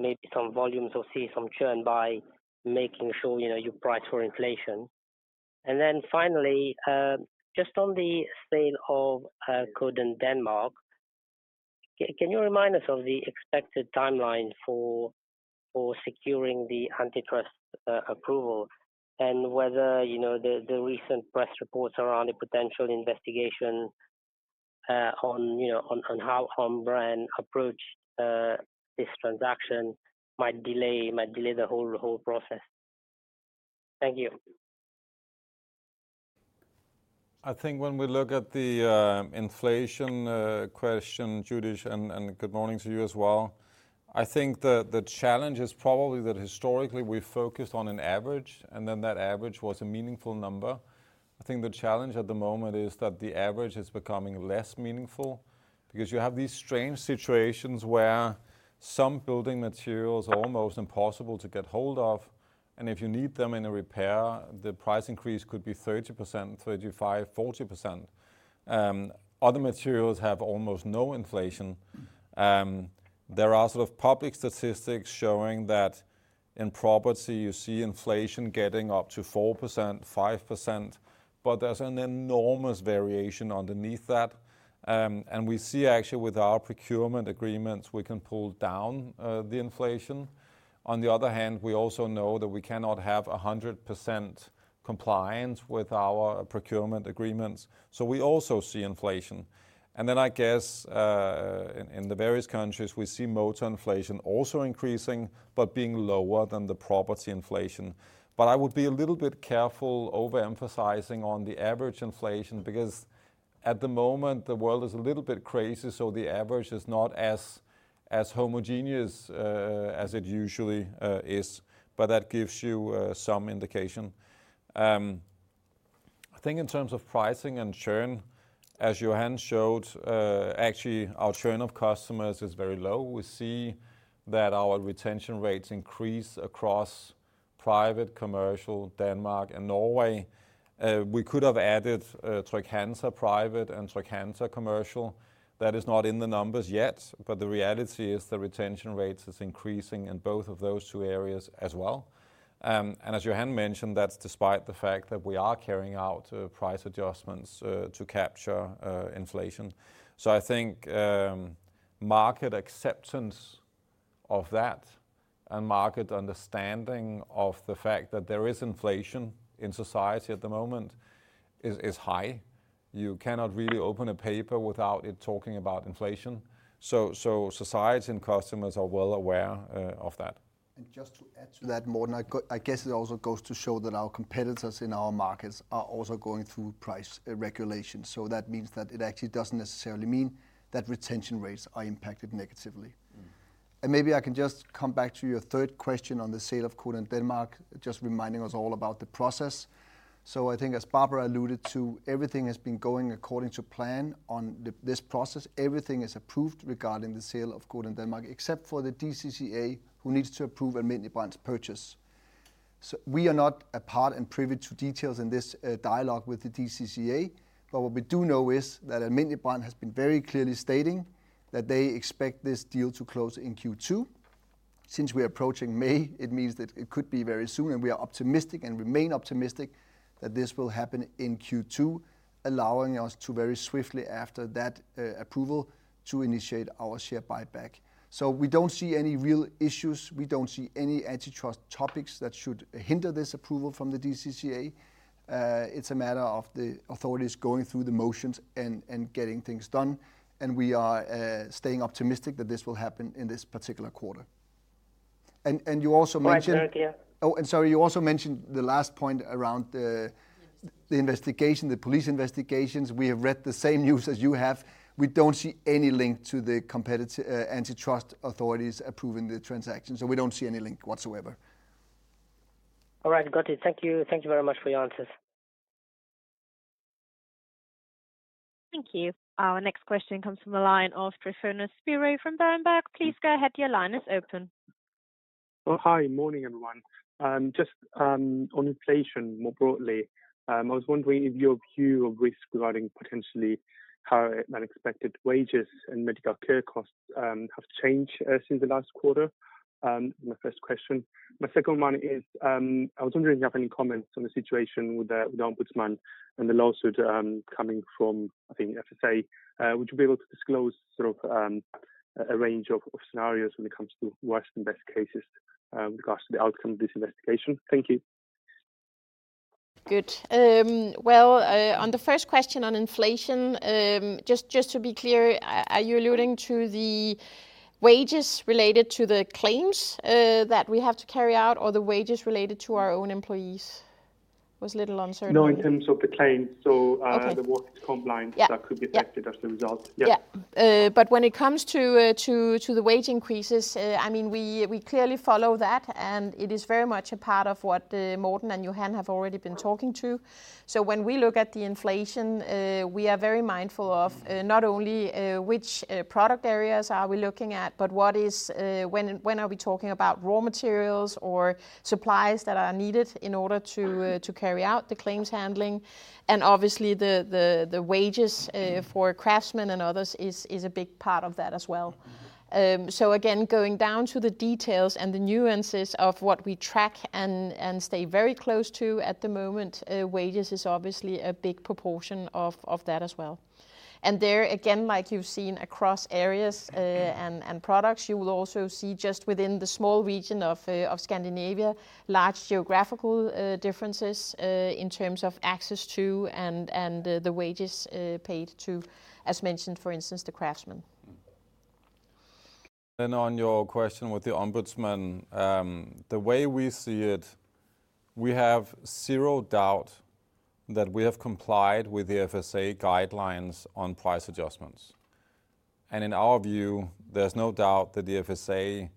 I: maybe some volumes or see some churn by making sure, you know, you price for inflation? Finally, just on the sale of Codan Denmark, can you remind us of the expected timeline for securing the antitrust approval and whether, you know, the recent press reports around a potential investigation on how Alm. Brand approach this transaction might delay the whole process? Thank you.
B: I think when we look at the inflation question, Youdish, and good morning to you as well. I think the challenge is probably that historically we focused on an average, and then that average was a meaningful number. I think the challenge at the moment is that the average is becoming less meaningful because you have these strange situations where some building materials are almost impossible to get hold of, and if you need them in a repair, the price increase could be 30%, 35%, 40%. Other materials have almost no inflation. There are sort of public statistics showing that in property, you see inflation getting up to 4%, 5%, but there's an enormous variation underneath that. We see actually with our procurement agreements, we can pull down the inflation. On the other hand, we also know that we cannot have 100% compliance with our procurement agreements, so we also see inflation. I guess in the various countries we see motor inflation also increasing, but being lower than the property inflation. I would be a little bit careful overemphasizing on the average inflation, because at the moment the world is a little bit crazy, so the average is not as homogeneous as it usually is. That gives you some indication. I think in terms of pricing and churn, as Johan showed, actually our churn of customers is very low. We see that our retention rates increase across Private, Commercial, Denmark, and Norway. We could have added Trygg-Hansa Private and Trygg-Hansa Commercial. That is not in the numbers yet, but the reality is the retention rates is increasing in both of those two areas as well. As Johan mentioned, that's despite the fact that we are carrying out price adjustments to capture inflation. I think market acceptance of that and market understanding of the fact that there is inflation in society at the moment is high. You cannot really open a paper without it talking about inflation. Society and customers are well aware of that.
C: Just to add to that, Morten, I guess it also goes to show that our competitors in our markets are also going through price regulation. That means that it actually doesn't necessarily mean that retention rates are impacted negatively.
B: Mm.
C: Maybe I can just come back to your third question on the sale of Codan Denmark, just reminding us all about the process. I think as Barbara alluded to, everything has been going according to plan on this process. Everything is approved regarding the sale of Codan Denmark except for the DCCA, who needs to approve Alm. Brand's purchase. We are not a part and privy to details in this dialogue with the DCCA. But what we do know is that Alm. Brand has been very clearly stating that they expect this deal to close in Q2. Since we're approaching May, it means that it could be very soon, and we are optimistic and remain optimistic that this will happen in Q2, allowing us to very swiftly after that approval to initiate our share buyback. We don't see any real issues. We don't see any antitrust topics that should hinder this approval from the DCCA. It's a matter of the authorities going through the motions and getting things done, and we are staying optimistic that this will happen in this particular quarter. You also mentioned-
I: Right. Thank you.
C: Oh, sorry, you also mentioned the last point around the investigation, the police investigations. We have read the same news as you have. We don't see any link to the antitrust authorities approving the transaction, so we don't see any link whatsoever.
I: All right. Got it. Thank you. Thank you very much for your answers.
E: Thank you. Our next question comes from the line of Tryfonas Spyrou from Berenberg. Please go ahead, your line is open.
J: Oh, hi. Morning, everyone. Just on inflation more broadly, I was wondering if your view of risk regarding potentially how unexpected wages and medical care costs have changed since the last quarter? My first question. My second one is, I was wondering if you have any comments on the situation with the Ombudsman and the lawsuit coming from, I think, FSA. Would you be able to disclose sort of a range of scenarios when it comes to worst and best cases with regards to the outcome of this investigation? Thank you.
D: Good. Well, on the first question on inflation, just to be clear, are you alluding to the wages related to the claims that we have to carry out or the wages related to our own employees? I was a little uncertain there.
J: No, in terms of the claims, the workers' comp claims that could be affected as the result. Yeah.
D: Yeah. When it comes to the wage increases, I mean, we clearly follow that, and it is very much a part of what Morten and Johan have already been talking to. When we look at the inflation, we are very mindful of not only which product areas we are looking at, but when we are talking about raw materials or supplies that are needed in order to carry out the claims handling. Obviously the wages for craftsmen and others is a big part of that as well. Again, going down to the details and the nuances of what we track and stay very close to at the moment, wages is obviously a big proportion of that as well. There again, like you've seen across areas, and products, you will also see just within the small region of Scandinavia, large geographical differences in terms of access to and the wages paid to, as mentioned, for instance, the craftsmen.
B: On your question with the Ombudsman, the way we see it, we have zero doubt that we have complied with the FSA guidelines on price adjustments. In our view, there's no doubt that the FSA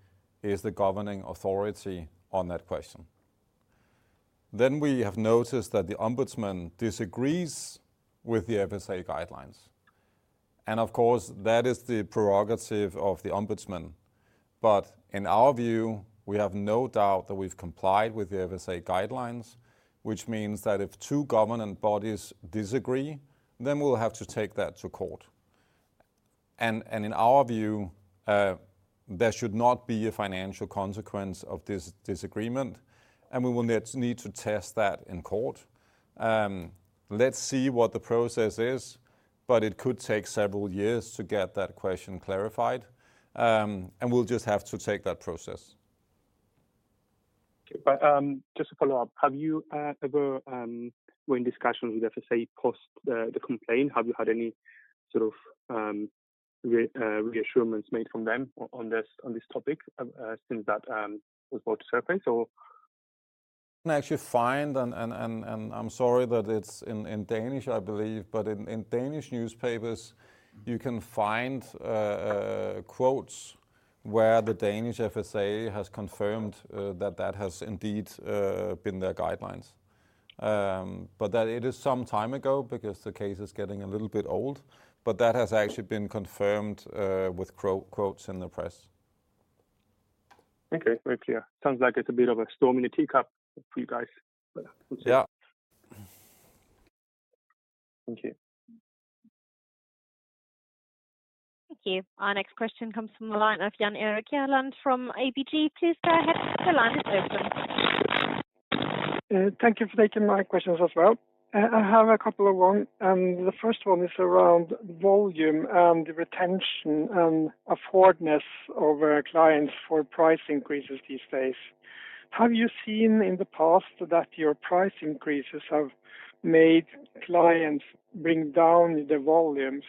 B: is the governing authority on that question. We have noticed that the Ombudsman disagrees with the FSA guidelines, and of course that is the prerogative of the Ombudsman. In our view, we have no doubt that we've complied with the FSA guidelines, which means that if two governing bodies disagree, we'll have to take that to court. In our view, there should not be a financial consequence of this agreement, and we will need to test that in court. Let's see what the process is, but it could take several years to get that question clarified, and we'll just have to take that process.
J: Just to follow up, have you ever were in discussion with FSA post the complaint? Have you had any sort of reassurances made from them on this topic since that was brought to surface or?
B: You can actually find, and I'm sorry that it's in Danish, I believe, but in Danish newspapers you can find quotes where the Danish FSA has confirmed that that has indeed been their guidelines. That it is some time ago because the case is getting a little bit old. That has actually been confirmed with quotes in the press.
J: Okay. Very clear. Sounds like it's a bit of a storm in a teacup for you guys.
B: Yeah.
J: Thank you.
E: Thank you. Our next question comes from the line of Jan Erik Gjerland from ABG. Please go ahead. Your line is open.
K: Thank you for taking my questions as well. I have a couple of one. The first one is around volume and retention and affordability over clients for price increases these days. Have you seen in the past that your price increases have made clients bring down the volumes?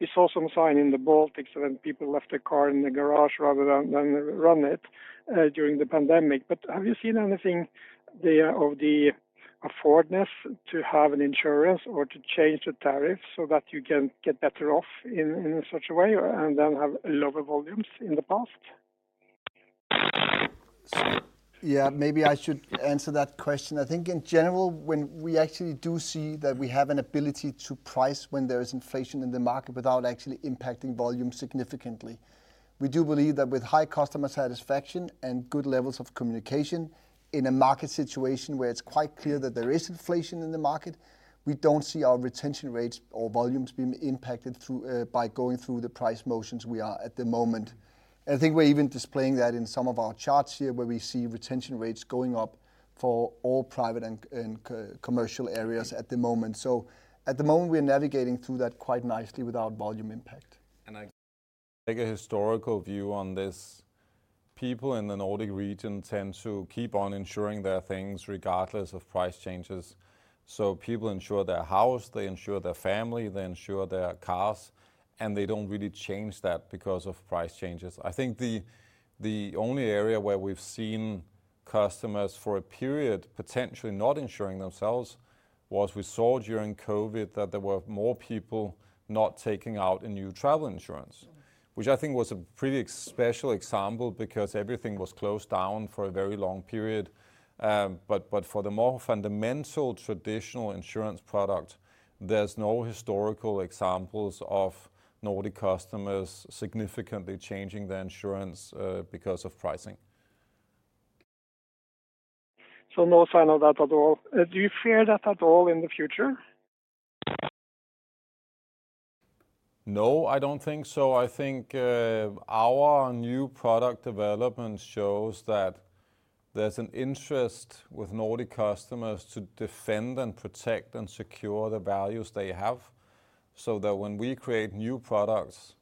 K: We saw some sign in the Baltics when people left their car in the garage rather than run it during the pandemic. Have you seen anything there of the affordability to have an insurance or to change the tariff so that you can get better off in such a way and then have lower volumes in the past?
C: Yeah, maybe I should answer that question. I think in general, when we actually do see that we have an ability to price when there is inflation in the market without actually impacting volume significantly. We do believe that with high customer satisfaction and good levels of communication in a market situation where it's quite clear that there is inflation in the market, we don't see our retention rates or volumes being impacted through by going through the price motions we are at the moment. I think we're even displaying that in some of our charts here, where we see retention rates going up for all Private and Commercial areas at the moment. At the moment, we're navigating through that quite nicely without volume impact.
B: I take a historical view on this. People in the Nordic region tend to keep on insuring their things regardless of price changes. People insure their house, they insure their family, they insure their cars, and they don't really change that because of price changes. I think the only area where we've seen customers for a period potentially not insuring themselves was we saw during COVID that there were more people not taking out a new travel insurance. Which I think was a pretty special example because everything was closed down for a very long period. But for the more fundamental traditional insurance product, there's no historical examples of Nordic customers significantly changing their insurance because of pricing.
K: No sign of that at all. Do you fear that at all in the future?
B: No, I don't think so. I think our new product development shows that there's an interest with Nordic customers to defend and protect and secure the values they have, so that when we create new products,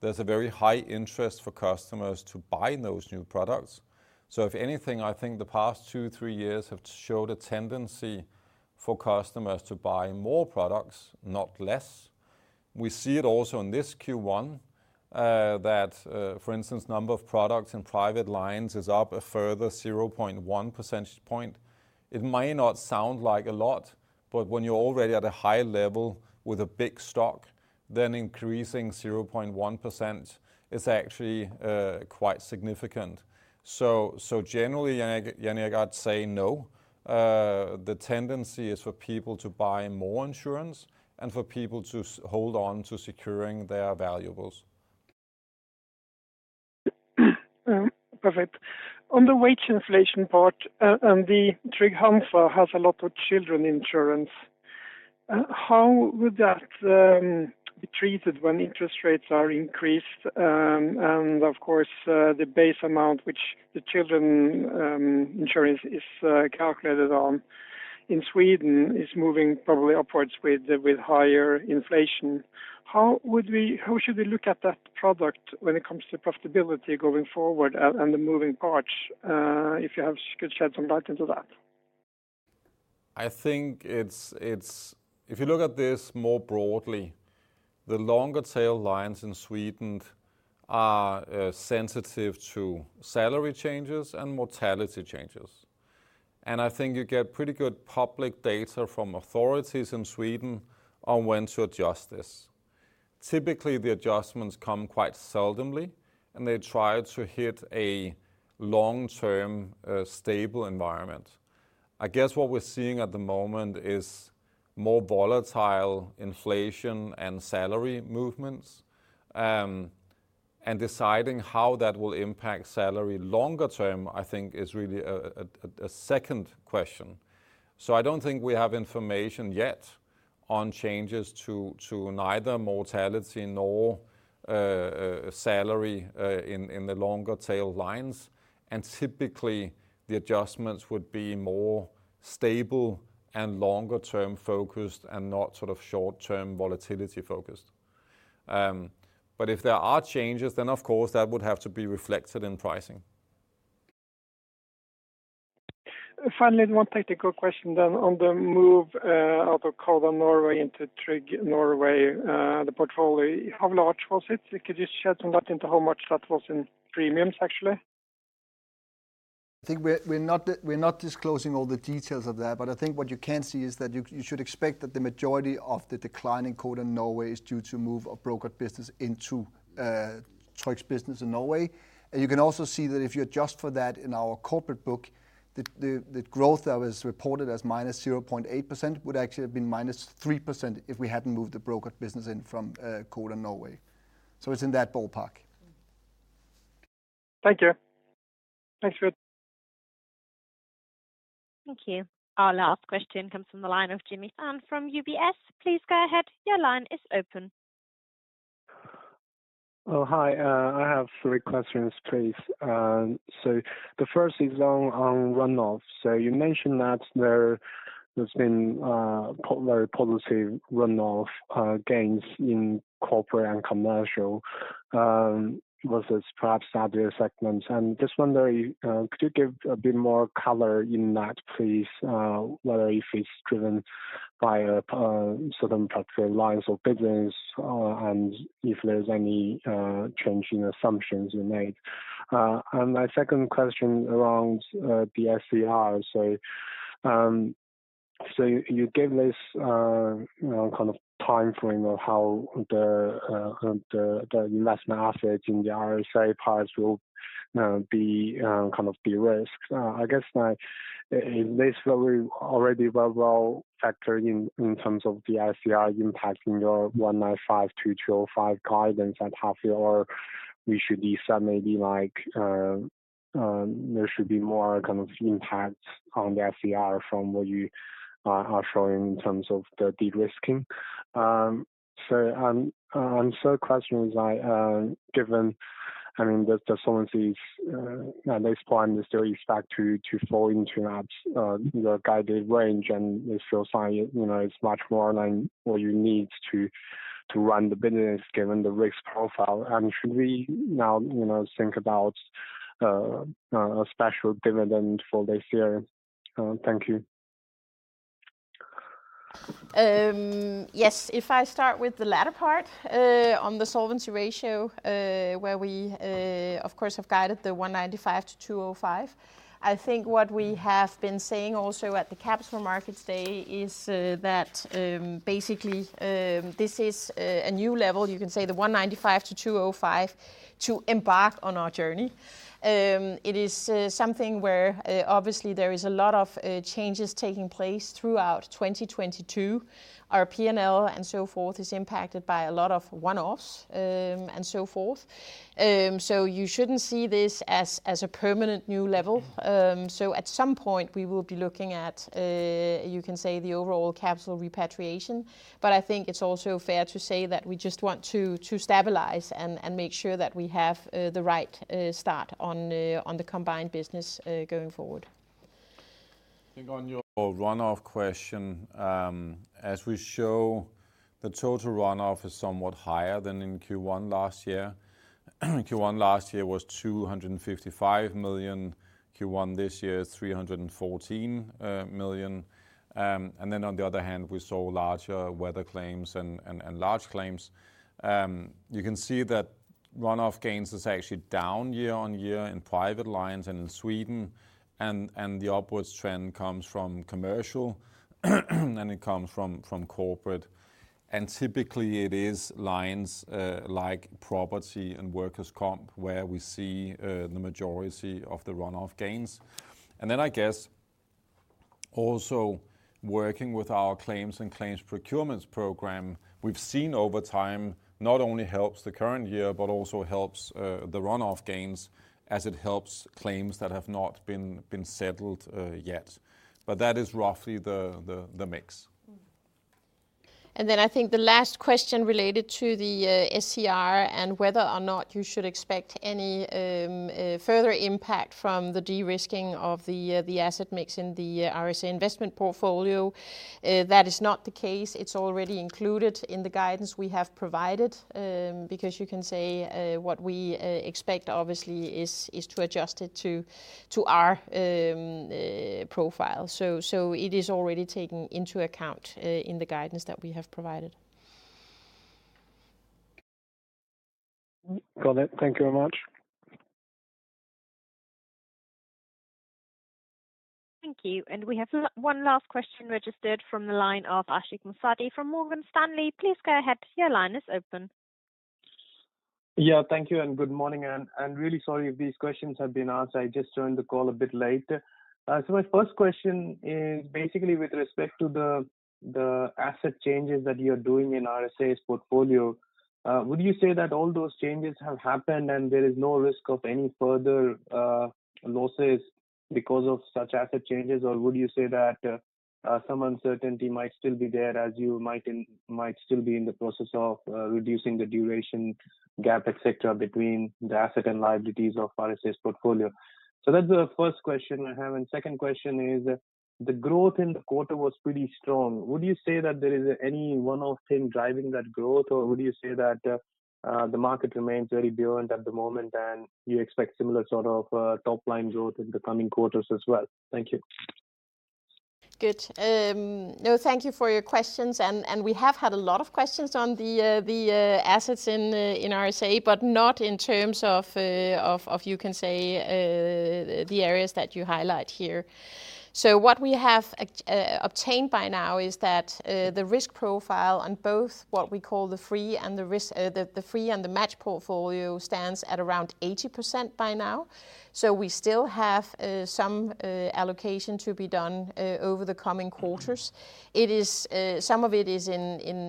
B: there's a very high interest for customers to buy those new products. If anything, I think the past two, three years have showed a tendency for customers to buy more products, not less. We see it also in this Q1, that for instance, number of products in Private lines is up a further 0.1 percentage point. It might not sound like a lot, but when you're already at a high level with a big stock, then increasing 0.1% is actually quite significant. Generally, Jan Erik, I'd say no. The tendency is for people to buy more insurance and for people to hold on to securing their valuables.
K: Perfect. On the wage inflation part, the Trygg-Hansa has a lot of children insurance. How would that be treated when interest rates are increased, and of course, the base amount which the children insurance is calculated on in Sweden is moving probably upwards with higher inflation. How should we look at that product when it comes to profitability going forward and the moving parts, if you could shed some light into that?
B: I think it's if you look at this more broadly, the longer tail lines in Sweden are sensitive to salary changes and mortality changes. I think you get pretty good public data from authorities in Sweden on when to adjust this. Typically, the adjustments come quite seldomly, and they try to hit a long-term stable environment. I guess what we're seeing at the moment is more volatile inflation and salary movements. Deciding how that will impact salary longer term, I think is really a second question. I don't think we have information yet on changes to neither mortality nor salary in the longer tail lines. Typically, the adjustments would be more stable and longer term focused and not sort of short-term volatility focused. If there are changes, then of course that would have to be reflected in pricing.
K: Finally, one technical question then on the move out of Codan Norway into Tryg Norway, the portfolio. How large was it? Could you shed some light into how much that was in premiums actually?
C: I think we're not disclosing all the details of that, but I think what you can see is that you should expect that the majority of the decline in Codan Norway is due to move of brokered business into Tryg's business in Norway. You can also see that if you adjust for that in our Corporate book, the growth that was reported as -0.8% would actually have been -3% if we hadn't moved the brokered business in from Codan Norway. It's in that ballpark.
K: Thank you. Thanks, Hübbe.
E: Thank you. Our last question comes from the line of Jimmy Pan from UBS. Please go ahead. Your line is open.
L: Oh, hi. I have three questions, please. The first is on run-off. You mentioned that there's been prior-year policy run-off gains in Corporate and Commercial versus perhaps other segments. Just wondering, could you give a bit more color on that, please? Whether it's driven by certain types of lines of business and if there's any change in assumptions you made. My second question around the SCR. You gave this, you know, kind of timeframe of how the investment assets in the RSA parts will be kind of de-risked. I guess is this already well factored in terms of the SCR impact in your 195-205 guidance at half year? There should be more kind of impact on the SCR from what you are showing in terms of the de-risking. Third question is like, given, I mean, the Solvency is at this point still expected to fall into that, you know, guided range, and it feels like, you know, it's much more than what you need to run the business given the risk profile. Should we now, you know, think about a special dividend for this year? Thank you.
D: Yes. If I start with the latter part, on the Solvency ratio, where we, of course, have guided the 195-205. I think what we have been saying also at the Capital Markets Day is that basically, this is a new level. You can say the 195-205 to embark on our journey. It is, something where, obviously there is a lot of changes taking place throughout 2022. Our P&L and so forth is impacted by a lot of one-offs, and so forth. You shouldn't see this as a permanent new level. At some point we will be looking at, you can say the overall capital repatriation. I think it's also fair to say that we just want to stabilize and make sure that we have the right start on the combined business going forward.
B: I think on your run-off question, as we show the total run-off is somewhat higher than in Q1 last year. Q1 last year was 255 million. Q1 this year is 314 million. And then on the other hand, we saw larger weather claims and large claims. You can see that run-off gains is actually down year-over-year in Private lines and in Sweden, and the upwards trend comes from Commercial, and it comes from Corporate. Typically it is lines like property and workers' comp where we see the majority of the run-off gains. I guess also working with our claims and claims procurements program, we've seen over time not only helps the current year, but also helps the run-off gains as it helps claims that have not been settled yet. That is roughly the mix.
D: I think the last question related to the SCR and whether or not you should expect any further impact from the de-risking of the asset mix in the RSA investment portfolio. That is not the case. It's already included in the guidance we have provided, because you can say what we expect obviously is to adjust it to our profile. It is already taken into account in the guidance that we have provided.
L: Got it. Thank you very much.
E: Thank you. We have one last question registered from the line of Ashik Musaddi from Morgan Stanley. Please go ahead. Your line is open.
M: Yeah, thank you and good morning. I'm really sorry if these questions have been asked. I just joined the call a bit late. My first question is basically with respect to the asset changes that you're doing in RSA's portfolio. Would you say that all those changes have happened and there is no risk of any further losses because of such asset changes? Or would you say that some uncertainty might still be there as you might still be in the process of reducing the duration gap, et cetera, between the asset and liabilities of RSA's portfolio? That's the first question I have. Second question is, the growth in the quarter was pretty strong. Would you say that there is any one-off thing driving that growth, or would you say that the market remains very buoyant at the moment and you expect similar sort of top line growth in the coming quarters as well? Thank you.
D: Good. No, thank you for your questions. We have had a lot of questions on the assets in RSA, but not in terms of you can say the areas that you highlight here. What we have obtained by now is that the risk profile on both what we call the free and the match portfolio stands at around 80% by now. We still have some allocation to be done over the coming quarters. Some of it is in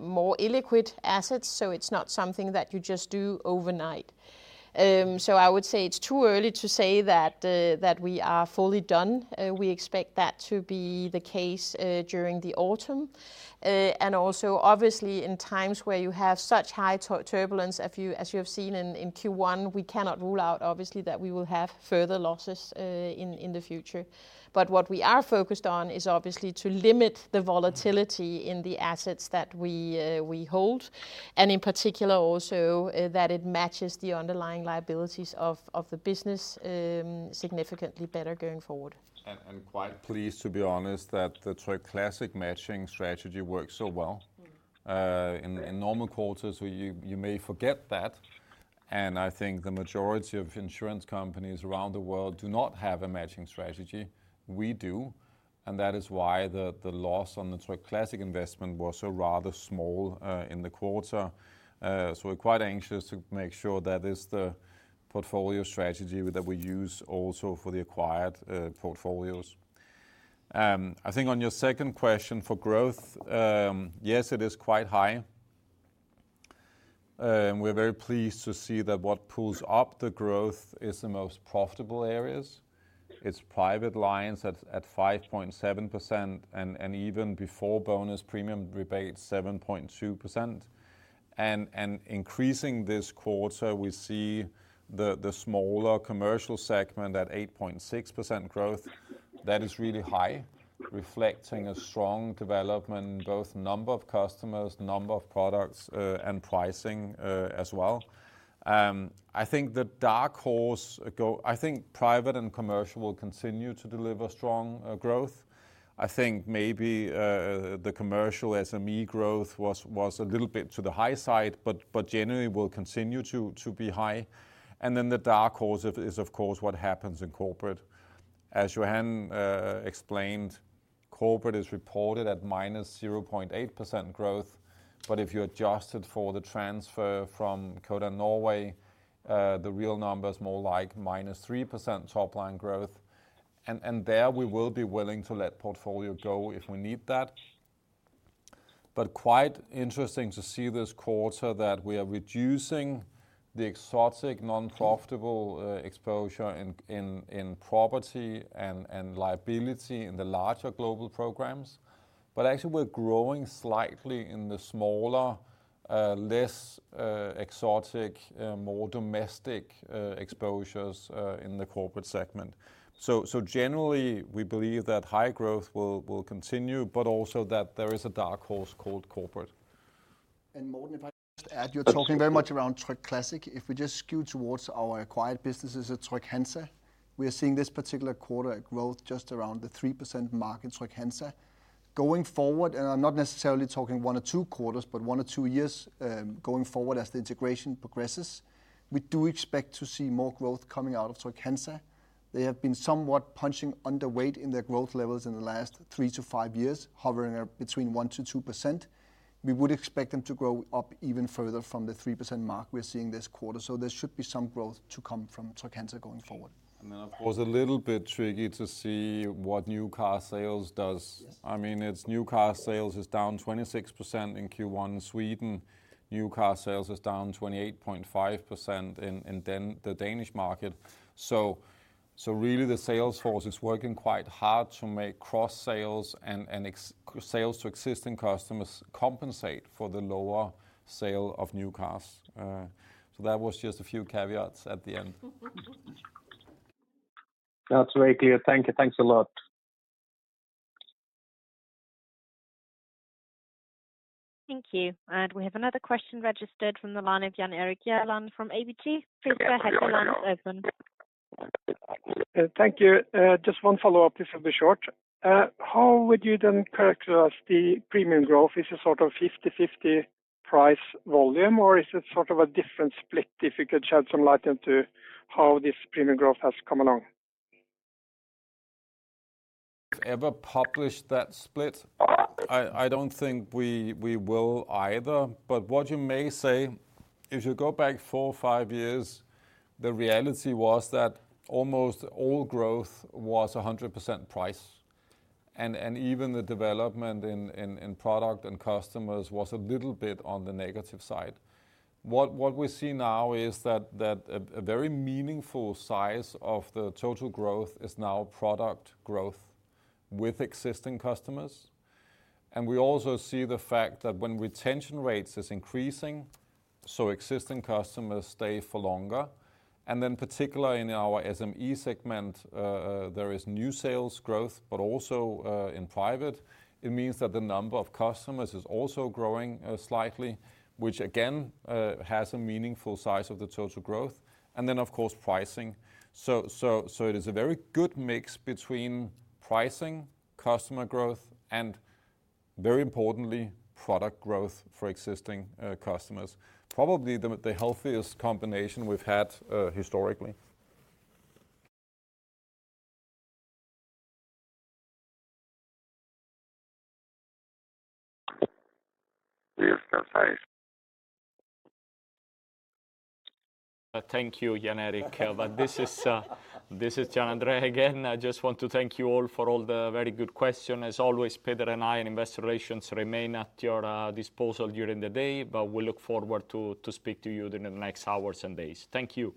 D: more illiquid assets, so it's not something that you just do overnight. I would say it's too early to say that we are fully done. We expect that to be the case during the autumn. Also obviously in times where you have such high turbulence as you have seen in Q1, we cannot rule out obviously that we will have further losses in the future. What we are focused on is obviously to limit the volatility in the assets that we hold, and in particular also that it matches the underlying liabilities of the business significantly better going forward.
B: Quite pleased to be honest that the Tryg classic matching strategy works so well.
D: Mm.
B: In normal quarters where you may forget that, I think the majority of insurance companies around the world do not have a matching strategy. We do, and that is why the loss on the Tryg classic investment was so rather small in the quarter. We're quite anxious to make sure that is the portfolio strategy that we use also for the acquired portfolios. I think on your second question for growth, yes, it is quite high. We're very pleased to see that what pulls up the growth is the most profitable areas. It's Private lines at 5.7% and even before bonus premium rebates, 7.2%. Increasing this quarter we see the smaller Commercial segment at 8.6% growth. That is really high, reflecting a strong development in both number of customers, number of products, and pricing, as well. I think Private and Commercial will continue to deliver strong growth. I think maybe the Commercial SME growth was a little bit on the high side, but generally will continue to be high. Then the dark horse is, of course, what happens in Corporate. As Johan explained, Corporate is reported at -0.8% growth, but if you adjust it for the transfer from Codan Norway, the real number is more like -3% top line growth. There we will be willing to let portfolio go if we need that. Quite interesting to see this quarter that we are reducing the exotic non-profitable exposure in property and liability in the larger global programs. Actually we're growing slightly in the smaller, less exotic, more domestic exposures in the Corporate segment. Generally we believe that high growth will continue, but also that there is a dark horse called Corporate.
C: Morten, if I could just add, you're talking very much around Tryg classic. If we just skew towards our acquired businesses at Trygg-Hansa, we are seeing this particular quarter a growth just around the 3% mark in Trygg-Hansa. Going forward, and I'm not necessarily talking 1 or 2 quarters, but 1 or 2 years, going forward as the integration progresses, we do expect to see more growth coming out of Trygg-Hansa. They have been somewhat punching below their weight in their growth levels in the last 3-5 years, hovering between 1%-2%. We would expect them to grow up even further from the 3% mark we're seeing this quarter. There should be some growth to come from Trygg-Hansa going forward.
B: Of course, a little bit tricky to see what new car sales does.
C: Yes.
B: I mean, it's new car sales is down 26% in Q1 Sweden. New car sales is down 28.5% in the Danish market. Really the sales force is working quite hard to make cross sales and sales to existing customers compensate for the lower sale of new cars. That was just a few caveats at the end.
M: That's very clear. Thank you. Thanks a lot.
E: Thank you. We have another question registered from the line of Jan Erik Gjerland from ABG. Please go ahead your, line's open.
K: Thank you. Just one follow-up. This will be short. How would you then characterize the premium growth? Is it sort of 50/50 price volume or is it sort of a different split? If you could shed some light into how this premium growth has come along?
B: Ever published that split. I don't think we will either. What you may say, if you go back four or five years, the reality was that almost all growth was 100% price. Even the development in product and customers was a little bit on the negative side. What we see now is that a very meaningful size of the total growth is now product growth with existing customers. We also see the fact that when retention rates is increasing, so existing customers stay for longer. Particular in our SME segment, there is new sales growth, but also in Private, it means that the number of customers is also growing slightly, which again has a meaningful size of the total growth. Of course pricing. It is a very good mix between pricing, customer growth, and very importantly, product growth for existing customers. Probably the healthiest combination we've had historically.
K: Yes, that's nice.
A: Thank you, Jan Erik. This is Gianandrea again. I just want to thank you all for all the very good question. As always, Peder and I in investor relations remain at your disposal during the day, but we look forward to speak to you during the next hours and days. Thank you.